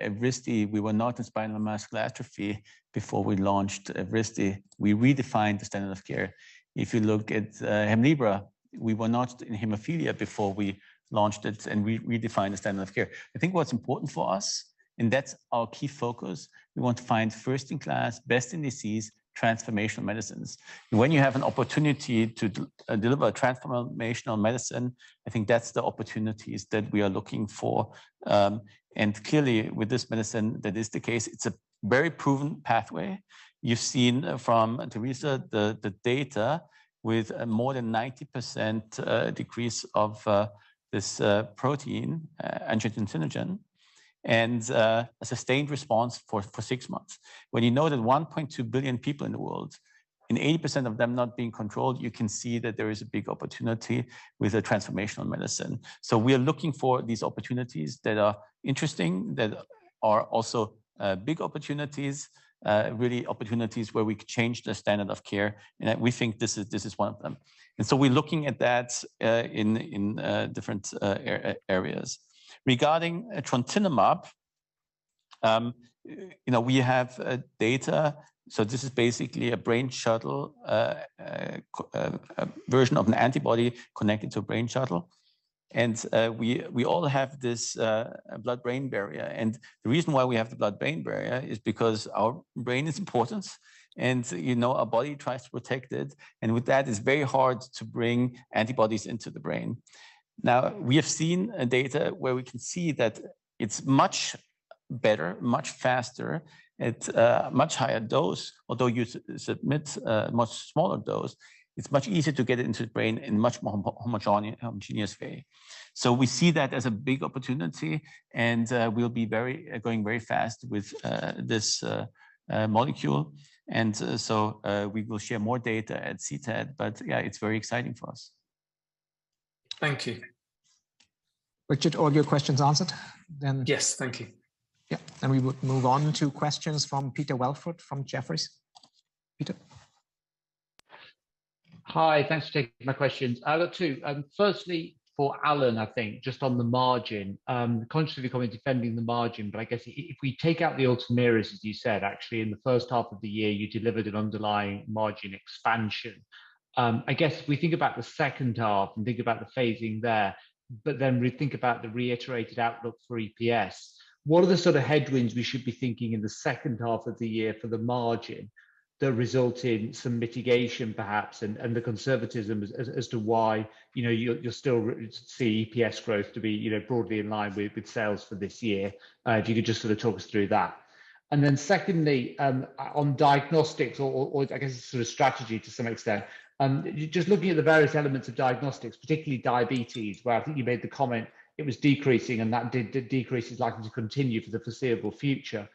Evrysdi, we were not in spinal muscular atrophy before we launched Evrysdi. We redefined the standard of care. If you look at Hemlibra, we were not in hemophilia before we launched it, and we redefined the standard of care. I think what's important for us, and that's our key focus, we want to find first-in-class, best-in-disease transformational medicines. When you have an opportunity to deliver a transformational medicine, I think that's the opportunities that we are looking for. Clearly, with this medicine, that is the case. It's a very proven pathway. You've seen from Teresa, the data with more than 90% decrease of this protein, angiotensinogen, and a sustained response for 6 months. When you know that 1.2 billion people in the world, and 80% of them not being controlled, you can see that there is a big opportunity with a transformational medicine. We are looking for these opportunities that are interesting, that are also big opportunities, really opportunities where we change the standard of care, and that we think this is one of them. We're looking at that in different areas. Regarding Trontinemab, you know, we have data, so this is basically a Brain Shuttle, a version of an antibody connected to a Brain Shuttle. We all have this blood-brain barrier, and the reason why we have the blood-brain barrier is because our brain is important, and, you know, our body tries to protect it. With that, it's very hard to bring antibodies into the brain. We have seen data where we can see that it's much better, much faster, it's a much higher dose, although you submit a much smaller dose. It's much easier to get it into the brain in much more homogeneous way. We see that as a big opportunity, and we'll be going very fast with this molecule. We will share more data at CTAD, but yeah, it's very exciting for us. Thank you. Richard, all your questions answered? Yes, thank you. We will move on to questions from Peter Welford, from Jefferies. Peter? Hi, thanks for taking my questions. I'll have two. Firstly, for Alan, I think, just on the margin, consciously becoming defending the margin, but I guess if we take out the Ultomiris, as you said, actually, in the first half of the year, you delivered an underlying margin expansion. I guess if we think about the second half and think about the phasing there, but then we think about the reiterated outlook for EPS, what are the sort of headwinds we should be thinking in the second half of the year for the margin that result in some mitigation, perhaps, and the conservatism as to why, you know, you're still see EPS growth to be, you know, broadly in line with sales for this year? If you could just sort of talk us through that. Secondly, on Diagnostics, or I guess sort of strategy to some extent, just looking at the various elements of Diagnostics, particularly diabetes, where I think you made the comment it was decreasing, and that decrease is likely to continue for the foreseeable future.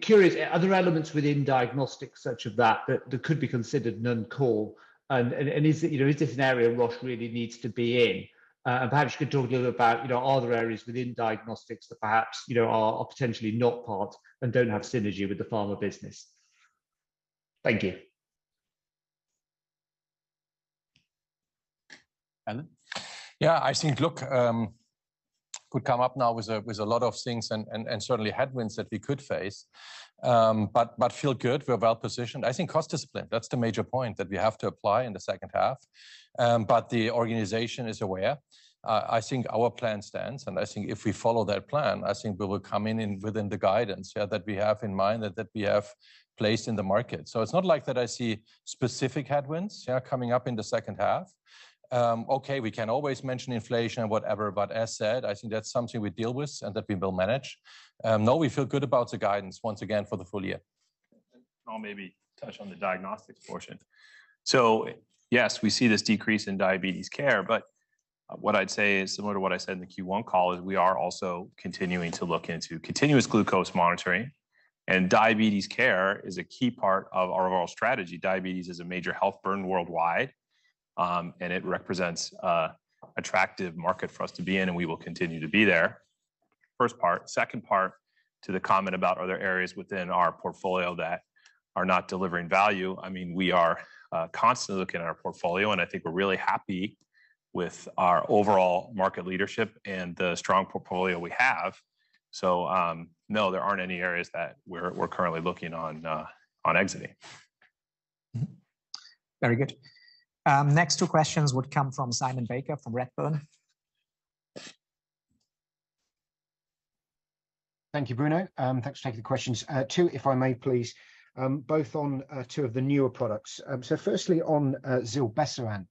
Curious, are there elements within Diagnostics such as that could be considered non-core? And is it, you know, is this an area Roche really needs to be in? And perhaps you could talk a little about, you know, are there areas within Diagnostics that perhaps, you know, are potentially not part and don't have synergy with the Pharma business? Thank you. Alan? I think, look, could come up now with a lot of things and certainly headwinds that we could face. Feel good. We're well positioned. I think cost discipline, that's the major point that we have to apply in the second half. The organization is aware. I think our plan stands, and I think if we follow that plan, I think we will come within the guidance that we have in mind, that we have placed in the market. It's not like that I see specific headwinds coming up in the second half. Okay, we can always mention inflation and whatever, as said, I think that's something we deal with and that we will manage. We feel good about the guidance once again for the full year. I'll maybe touch on the Diagnostics portion. Yes, we see this decrease in diabetes care, but what I'd say is similar to what I said in the Q1 call, we are also continuing to look into continuous glucose monitoring, and diabetes care is a key part of our overall strategy. Diabetes is a major health burden worldwide, and it represents a attractive market for us to be in, and we will continue to be there. First part. Second part, to the comment about other areas within our portfolio that are not delivering value, I mean, we are constantly looking at our portfolio, and I think we're really happy with our overall market leadership and the strong portfolio we have. No, there aren't any areas that we're currently looking on, on exiting. Mm-hmm. Very good. Next two questions would come from Simon Baker, from Redburn. Thank you, Bruno. Thanks for taking the questions. Two, if I may please, both on two of the newer products. Firstly, on zilebesiran.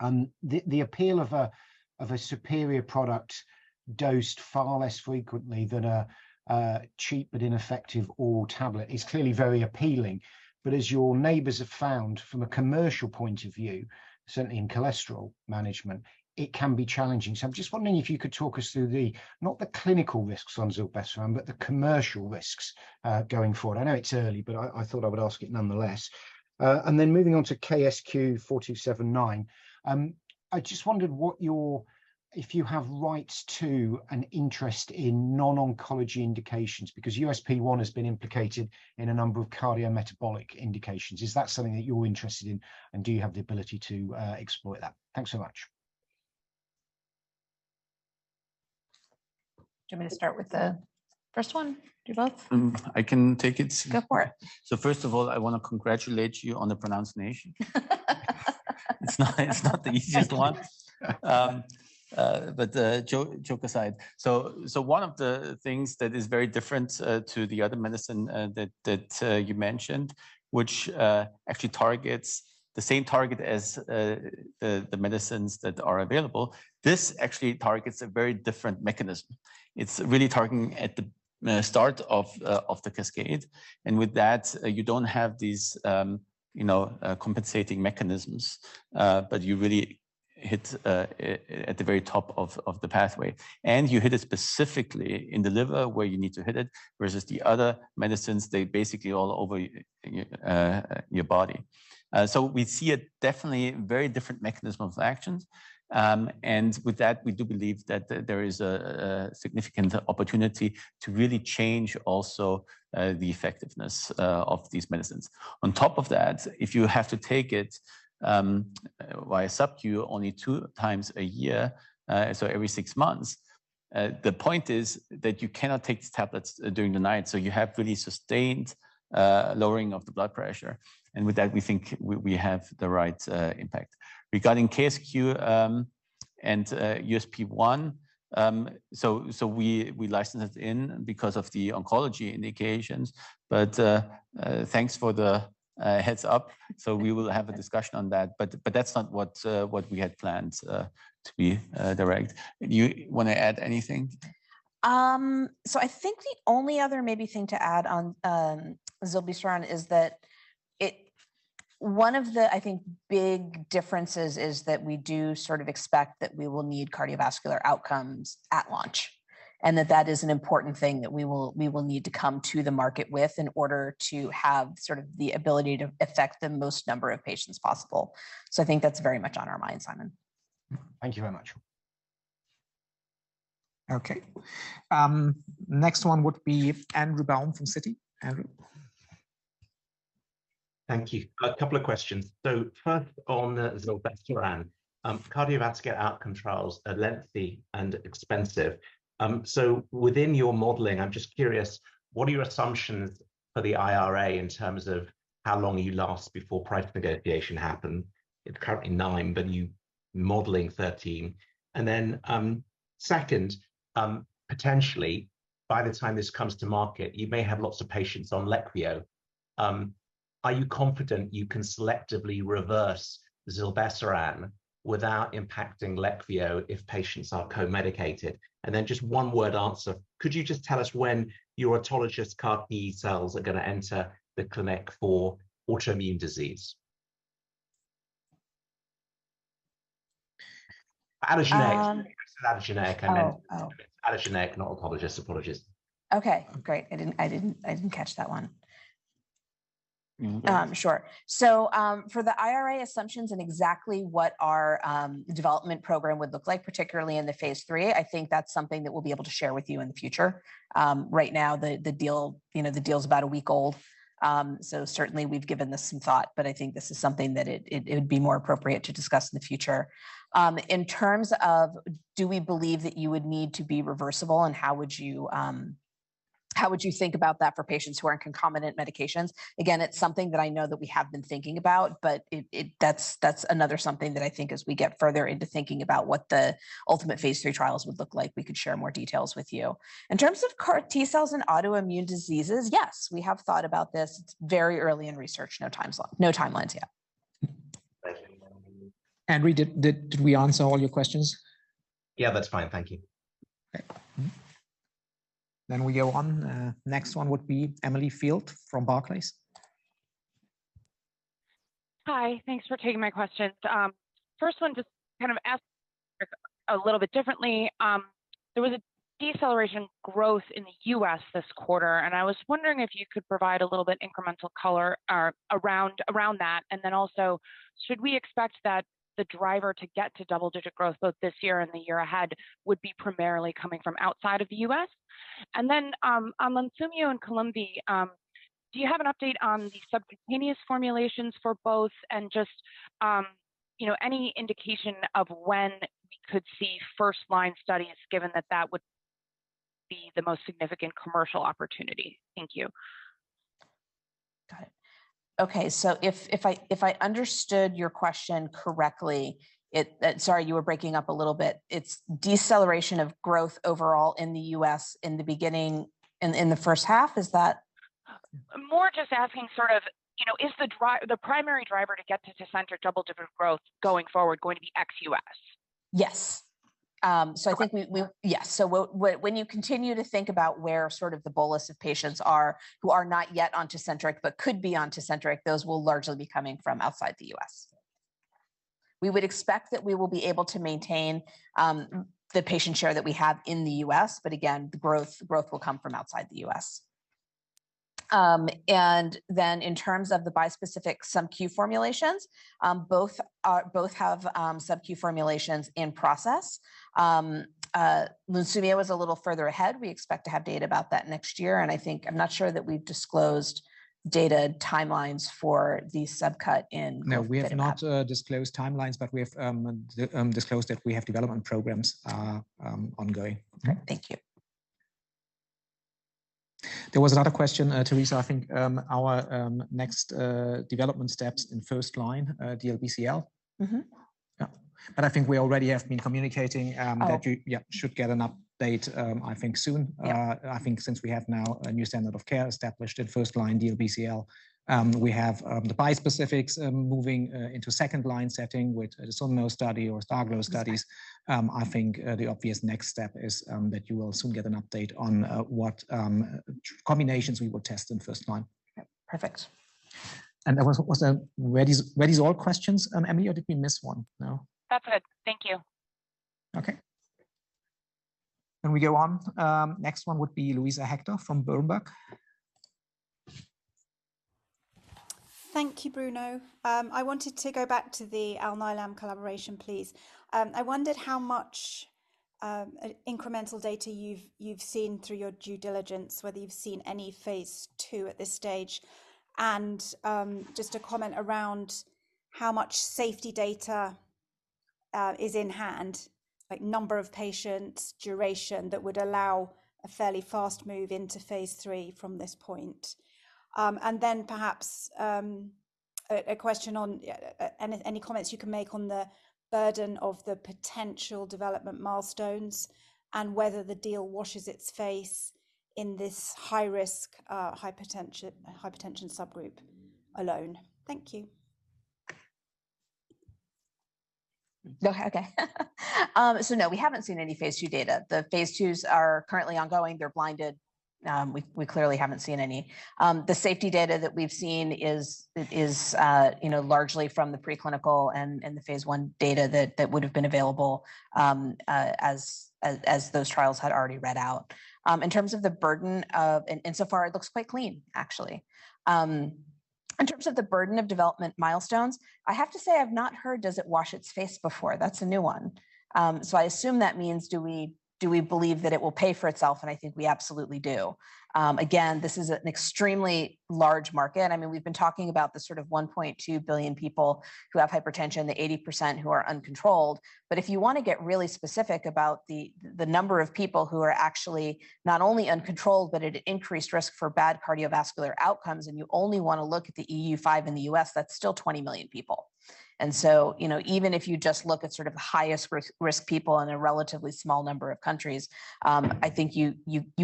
The appeal of a superior product dosed far less frequently than a cheap but ineffective oral tablet is clearly very appealing. As your neighbors have found from a commercial point of view, certainly in cholesterol management, it can be challenging. I'm just wondering if you could talk us through the, not the clinical risks on zilebesiran, but the commercial risks, going forward. I know it's early, but I thought I would ask it nonetheless. Moving on to KSQ-4279, I just wondered what your... If you have rights to an interest in non-oncology indications, because USP1 has been implicated in a number of cardiometabolic indications. Is that something that you're interested in, and do you have the ability to exploit that? Thanks so much. Do you want me to start with the first one, you'd love? I can take it. Go for it. First of all, I want to congratulate you on the pronunciation. It's not the easiest one. But joke aside, one of the things that is very different to the other medicine that you mentioned, which actually targets the same target as the medicines that are available, this actually targets a very different mechanism. It's really targeting at the start of the cascade, and with that, you don't have these, you know, compensating mechanisms. But you really hit at the very top of the pathway, and you hit it specifically in the liver where you need to hit it, versus the other medicines, they basically all over your body. We see a definitely very different mechanism of actions. With that, we do believe that there is a significant opportunity to really change also the effectiveness of these medicines. On top of that, if you have to take it via subQ only 2x a year, so every six months, the point is that you cannot take these tablets during the night, so you have really sustained lowering of the blood pressure. With that, we think we have the right impact. Regarding KSQ and USP1, we licensed it in because of the oncology indications, thanks for the heads-up. We will have a discussion on that, that's not what we had planned to be direct. You want to add anything? I think the only other maybe thing to add on, zilebesiran is that it one of the, I think, big differences is that we do sort of expect that we will need cardiovascular outcomes at launch, and that that is an important thing that we will need to come to the market with in order to have sort of the ability to affect the most number of patients possible. I think that's very much on our mind, Simon. Thank you very much. Okay, next one would be Andrew Baum from Citi. Andrew? Thank you. A couple of questions. First on zilebesiran, cardiovascular outcome trials are lengthy and expensive. Within your modeling, I'm just curious, what are your assumptions for the IRA in terms of how long you last before price negotiation happen? It's currently nine, but you're modeling 13. Second, potentially, by the time this comes to market, you may have lots of patients on Leqvio. Are you confident you can selectively reverse zilebesiran without impacting Leqvio if patients are co-medicated? Just one-word answer, could you just tell us when your autologous CAR T-cells are going to enter the clinic for autoimmune disease? Allogeneic. Um- Allogeneic, I meant. Oh, oh. Allogeneic, not autologous. Apologies. Okay, great. I didn't catch that one. Mm-hmm. Sure. For the IRA assumptions and exactly what our development program would look like, particularly in the phase III, I think that's something that we'll be able to share with you in the future. Right now, the, the deal, you know, the deal's about a week old. Certainly we've given this some thought, but I think this is something that it would be more appropriate to discuss in the future. In terms of do we believe that you would need to be reversible, and how would you think about that for patients who are in concomitant medications? Again, it's something that I know that we have been thinking about, but it. That's another something that I think as we get further into thinking about what the ultimate phase III trials would look like, we could share more details with you. In terms of CAR T-cells and autoimmune diseases, yes, we have thought about this. It's very early in research, no timelines yet. Thank you. Andrew, did we answer all your questions? Yeah, that's fine. Thank you. Okay. Mm-hmm. We go on, next one would be Emily Field from Barclays. Hi, thanks for taking my questions. First one, just to kind of ask a little bit differently. There was a deceleration growth in the U.S. this quarter, and I was wondering if you could provide a little bit incremental color around that. Also, should we expect that the driver to get to double-digit growth, both this year and the year ahead, would be primarily coming from outside of the U.S.? On Lunsumio and Columvi, do you have an update on the subcutaneous formulations for both, and just, you know, any indication of when we could see first-line studies, given that that would be the most significant commercial opportunity? Thank you. Got it. If I understood your question correctly, it... Sorry, you were breaking up a little bit. It's deceleration of growth overall in the U.S. in the beginning, in the first half, is that? More just asking sort of, you know, is the primary driver to center double-digit growth going forward going to be ex-U.S.? Yes. I think we. Okay. Yes. When you continue to think about where sort of the bolus of patients are, who are not yet on Tecentriq but could be on Tecentriq, those will largely be coming from outside the U.S. We would expect that we will be able to maintain the patient share that we have in the U.S., but again, the growth will come from outside the U.S. In terms of the bispecific subQ formulations, both are, both have subQ formulations in process. Lunsumio is a little further ahead. We expect to have data about that next year, and I think I'm not sure that we've disclosed data timelines for the subcut. No, we have not disclosed timelines, but we have disclosed that we have development programs ongoing. Okay? Thank you. ... There was another question, Teresa, I think, our next development steps in first line DLBCL. Mm-hmm. Yeah, I think we already have been communicating. Oh. -that you, yeah, should get an update, I think soon. Yeah. I think since we have now a new standard of care established at first line DLBCL, we have the bispecifics moving into second line setting with a SUNMO study or STARGLO studies. Exactly. I think the obvious next step is that you will soon get an update on what combinations we will test in first line. Yep, perfect. There was, were these all questions, Emmy, or did we miss one? No. That's it. Thank you. Okay. We go on. Next one would be Luisa Hector from Berenberg. Thank you, Bruno. I wanted to go back to the Alnylam collaboration, please. I wondered how much incremental data you've seen through your due diligence, whether you've seen any phase II at this stage, and just a comment around how much safety data is in hand, like number of patients, duration, that would allow a fairly fast move into phase III from this point. Then perhaps a question on any comments you can make on the burden of the potential development milestones and whether the deal washes its face in this high risk hypertension subgroup alone. Thank you. Go ahead. Okay. No, we haven't seen any phase II data. The phase IIs are currently ongoing. They're blinded. We clearly haven't seen any. The safety data that we've seen is, you know, largely from the preclinical and the phase I data that would have been available, as those trials had already read out. In terms of the burden of... and insofar, it looks quite clean, actually. In terms of the burden of development milestones, I have to say I've not heard, "Does it wash its face?" before. That's a new one. I assume that means do we believe that it will pay for itself? I think we absolutely do. Again, this is an extremely large market. I mean, we've been talking about the sort of 1.2 billion people who have hypertension, the 80% who are uncontrolled. If you want to get really specific about the number of people who are actually not only uncontrolled, but at increased risk for bad cardiovascular outcomes, and you only want to look at the EU-5 and the U.S., that's still 20 million people. You know, even if you just look at sort of the highest risk people in a relatively small number of countries, I think you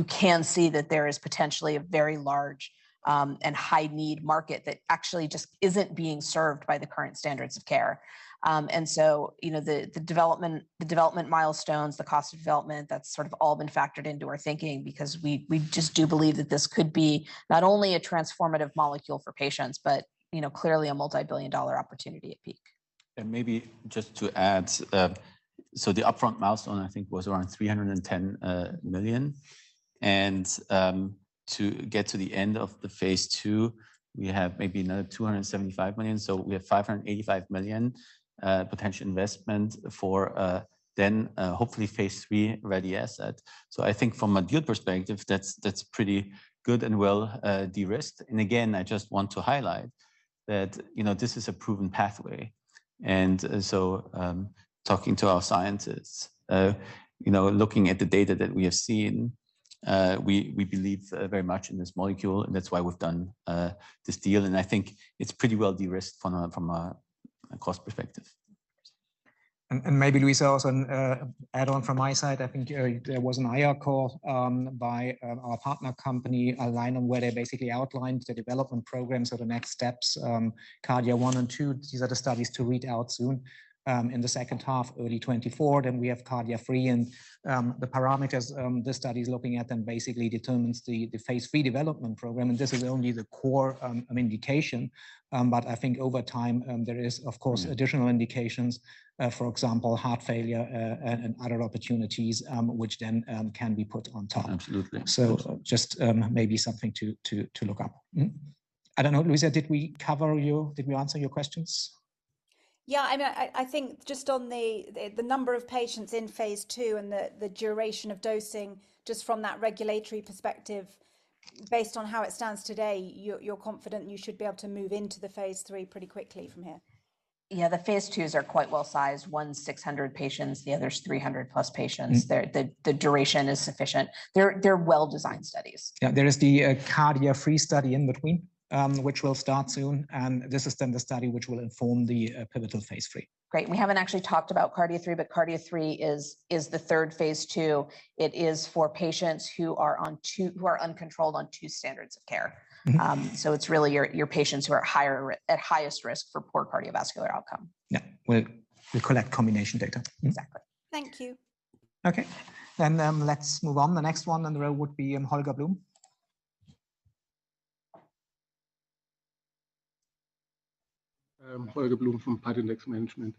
can see that there is potentially a very large and high need market that actually just isn't being served by the current standards of care. You know, the development milestones, the cost of development, that's sort of all been factored into our thinking because we, we just do believe that this could be not only a transformative molecule for patients, but, you know, clearly a multi-billion dollar opportunity at peak. Maybe just to add, so the upfront milestone, I think, was around 310 million, and to get to the end of the Phase II, we have maybe another 275 million. We have 585 million potential investment for then hopefully Phase III-ready asset. I think from a good perspective, that's pretty good and well de-risked. Again, I just want to highlight that, you know, this is a proven pathway. Talking to our scientists, you know, looking at the data that we have seen, we, we believe very much in this molecule, and that's why we've done this deal, and I think it's pretty well de-risked from a, from a, a cost perspective. Maybe, Luisa, also an add-on from my side, there was an IR call by our partner company, Alnylam, where they basically outlined the development program, so the next steps, KARDIA-1 and 2. These are the studies to read out soon in the second half, early 2024. We have KARDIA-3 and the parameters this study is looking at then basically determines the phase III development program, and this is only the core indication. I think over time, there is, of course, additional indications, for example, heart failure, and other opportunities, which then can be put on top. Absolutely. Just, maybe something to look up. Mm-hmm. I don't know, Luisa, did we cover you? Did we answer your questions? Yeah, I know. I think just on the number of patients in phase II and the duration of dosing, just from that regulatory perspective, based on how it stands today, you're confident you should be able to move into the phase III pretty quickly from here? Yeah, the phase II's are quite well-sized, one, 600 patients, the other's 300+ patients. Mm-hmm. The duration is sufficient. They're well-designed studies. Yeah, there is the KARDIA-3 study in between, which will start soon, and this is then the study which will inform the pivotal phase III. Great. We haven't actually talked about KARDIA-3, KARDIA-3 is the third phase II. It is for patients who are uncontrolled on two standards of care. Mm-hmm. it's really your patients who are at highest risk for poor cardiovascular outcome. Yeah. We'll collect combination data. Exactly. Thank you. Okay. let's move on. The next one on the row would be Holger Blum. Holger Blum from Patinex Management.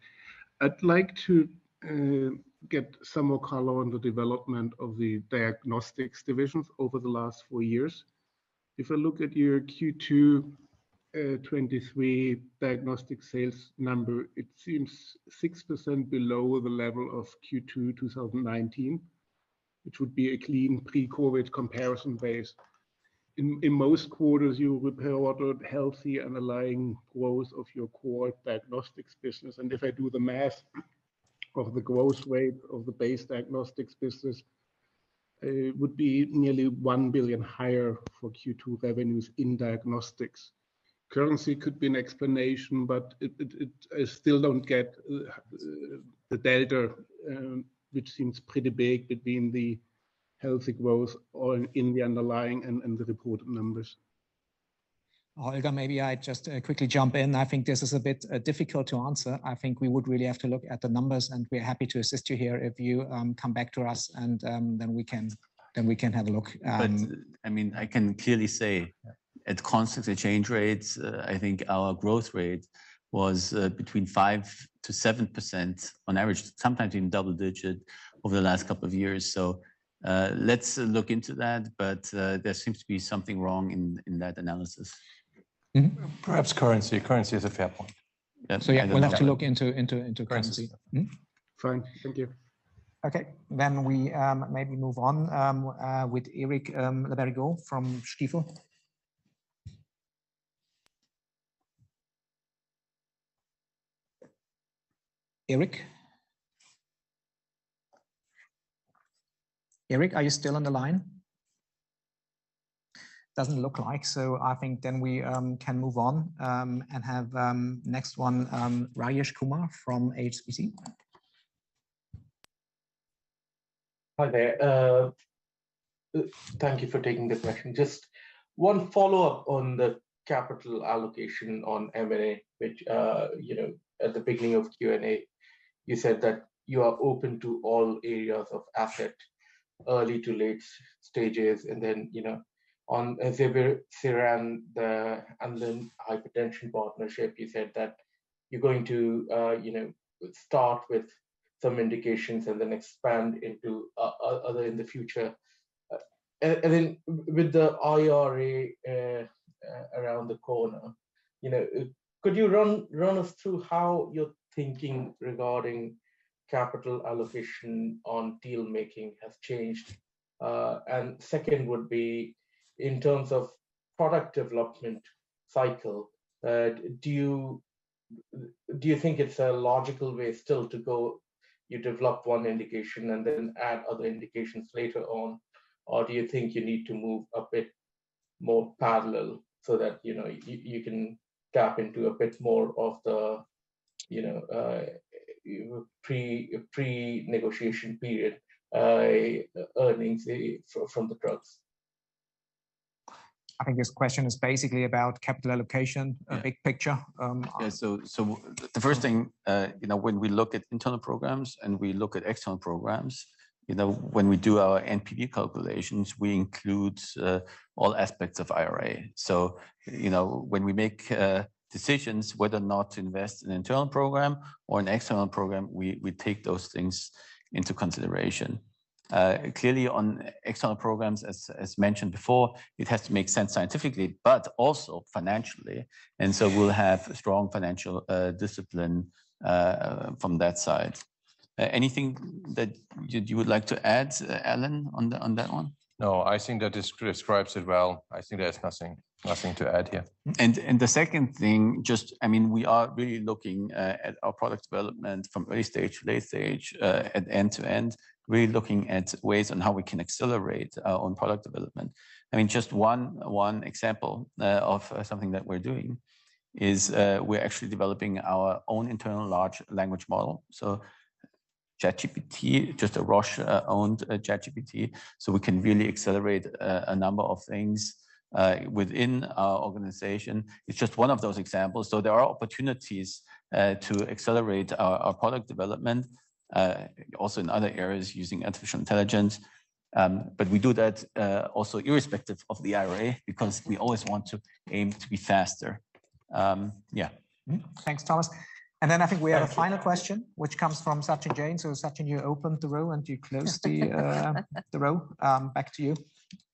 I'd like to get some more color on the development of the Diagnostics divisions over the last four years. If I look at your Q2 2023 diagnostic sales number, it seems 6% below the level of Q2 2019, which would be a clean pre-COVID comparison base. In most quarters, you would have ordered healthy and aligned growth of your core Diagnostics business, and if I do the math- of the growth rate of the base Diagnostics business, would be nearly 1 billion higher for Q2 revenues in Diagnostics. Currency could be an explanation, but it, I still don't get the data, which seems pretty big between the healthy growth or in the underlying and the reported numbers. Holger, maybe I just quickly jump in. I think this is a bit difficult to answer. I think we would really have to look at the numbers, and we're happy to assist you here if you come back to us and then we can have a look. I mean, I can clearly say at constant exchange rates, I think our growth rate was between 5%-7% on average, sometimes even double-digit over the last couple of years. Let's look into that, but, there seems to be something wrong in that analysis. Mm-hmm. Perhaps currency. Currency is a fair point. Yeah. Yeah, we'll have to look into currency. Currency. Mm-hmm. Fine. Thank you. Okay. We maybe move on with Eric Le Berrigaud from Stifel. Eric? Eric, are you still on the line? Doesn't look like. I think we can move on and have next one, Rajesh Kumar from HSBC. Hi there. Thank you for taking the question. Just one follow-up on the capital allocation on M&A, which, you know, at the beginning of the Q&A, you said that you are open to all areas of asset, early to late stages, then, you know, on Asobu, Ceram, and then hypertension partnership, you said that you're going to, you know, start with some indications and then expand into other in the future. Then with the IRA, around the corner, you know, could you run us through how your thinking regarding capital allocation on deal-making has changed? Second would be, in terms of product development cycle, do you think it's a logical way still to go you develop one indication and then add other indications later on? Do you think you need to move a bit more parallel so that, you know, you can tap into a bit more of the, you know, pre-negotiation period, earnings, from the drugs? I think his question is basically about capital allocation. Yeah. big picture. Yeah, the first thing, you know, when we look at internal programs and we look at external programs, you know, when we do our NPV calculations, we include all aspects of IRA. You know, when we make decisions whether or not to invest in an internal program or an external program, we take those things into consideration. Clearly, on external programs, mentioned before, it has to make sense scientifically, but also financially, we'll have strong financial discipline from that side. Anything that you would like to add, Alan, on that one? No, I think that describes it well. I think there's nothing to add here. The second thing, I mean, we are really looking at our product development from early stage to late stage at end to end. We're looking at ways on how we can accelerate on product development. I mean, one example of something that we're doing is we're actually developing our own internal large language model. ChatGPT, just a Roche-owned ChatGPT, so we can really accelerate a number of things within our organization. It's just one of those examples. There are opportunities to accelerate our product development also in other areas using artificial intelligence. We do that also irrespective of the IRA, because we always want to aim to be faster. Thanks, Thomas. Thank you. I think we have a final question, which comes from Sachin Jain. Sachin, you opened the row, and you close the row. Back to you.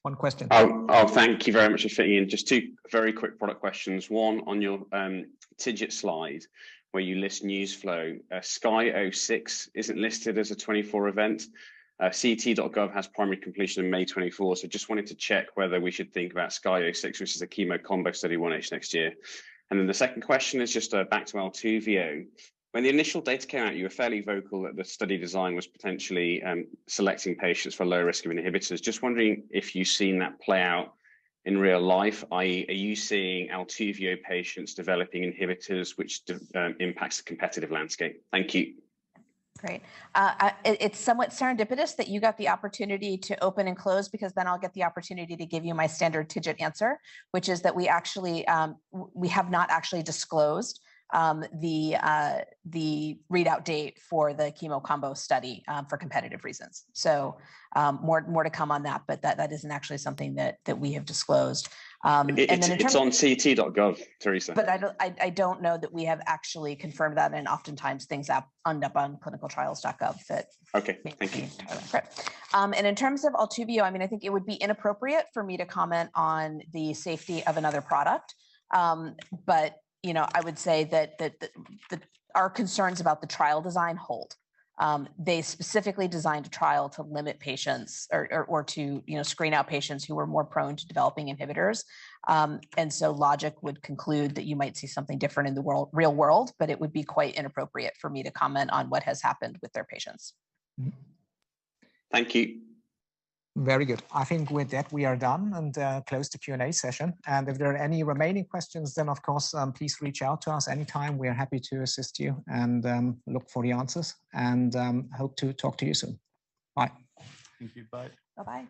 One question. Oh, thank you very much for fitting in. Just two very quick product questions. One, on your TIGIT slide, where you list news flow, SKY-06 isn't listed as a 2024 event. CT.gov has primary completion in May 2024, so just wanted to check whether we should think about SKY-06, which is a chemo combo study, one inch next year. The second question is just back to ALTUVIIIO. When the initial data came out, you were fairly vocal that the study design was potentially selecting patients for low risk of inhibitors. Just wondering if you've seen that play out in real life, i.e., are you seeing ALTUVwhich impacts the competitive landscape? Thank you. Great. It's somewhat serendipitous that you got the opportunity to open and close, because then I'll get the opportunity to give you my standard TIGIT answer, which is that we actually we have not actually disclosed the readout date for the chemo combo study for competitive reasons. More to come on that, but that, that isn't actually something that, that we have disclosed. In terms. It's on CT.gov, Teresa. I don't know that we have actually confirmed that, and oftentimes things end up on clinicaltrials.gov. Okay. Thank you. Great. In terms of ALTUVIIIO, I mean, I think it would be inappropriate for me to comment on the safety of another product. You know, I would say that, the, our concerns about the trial design hold. They specifically designed a trial to limit patients or to, you know, screen out patients who were more prone to developing inhibitors. Logic would conclude that you might see something different in the real world, but it would be quite inappropriate for me to comment on what has happened with their patients. Mm-hmm. Thank you. Very good. I think with that, we are done and close the Q&A session. If there are any remaining questions, then, of course, please reach out to us anytime. We are happy to assist you and look for the answers and hope to talk to you soon. Bye. Thank you. Bye. Bye-bye.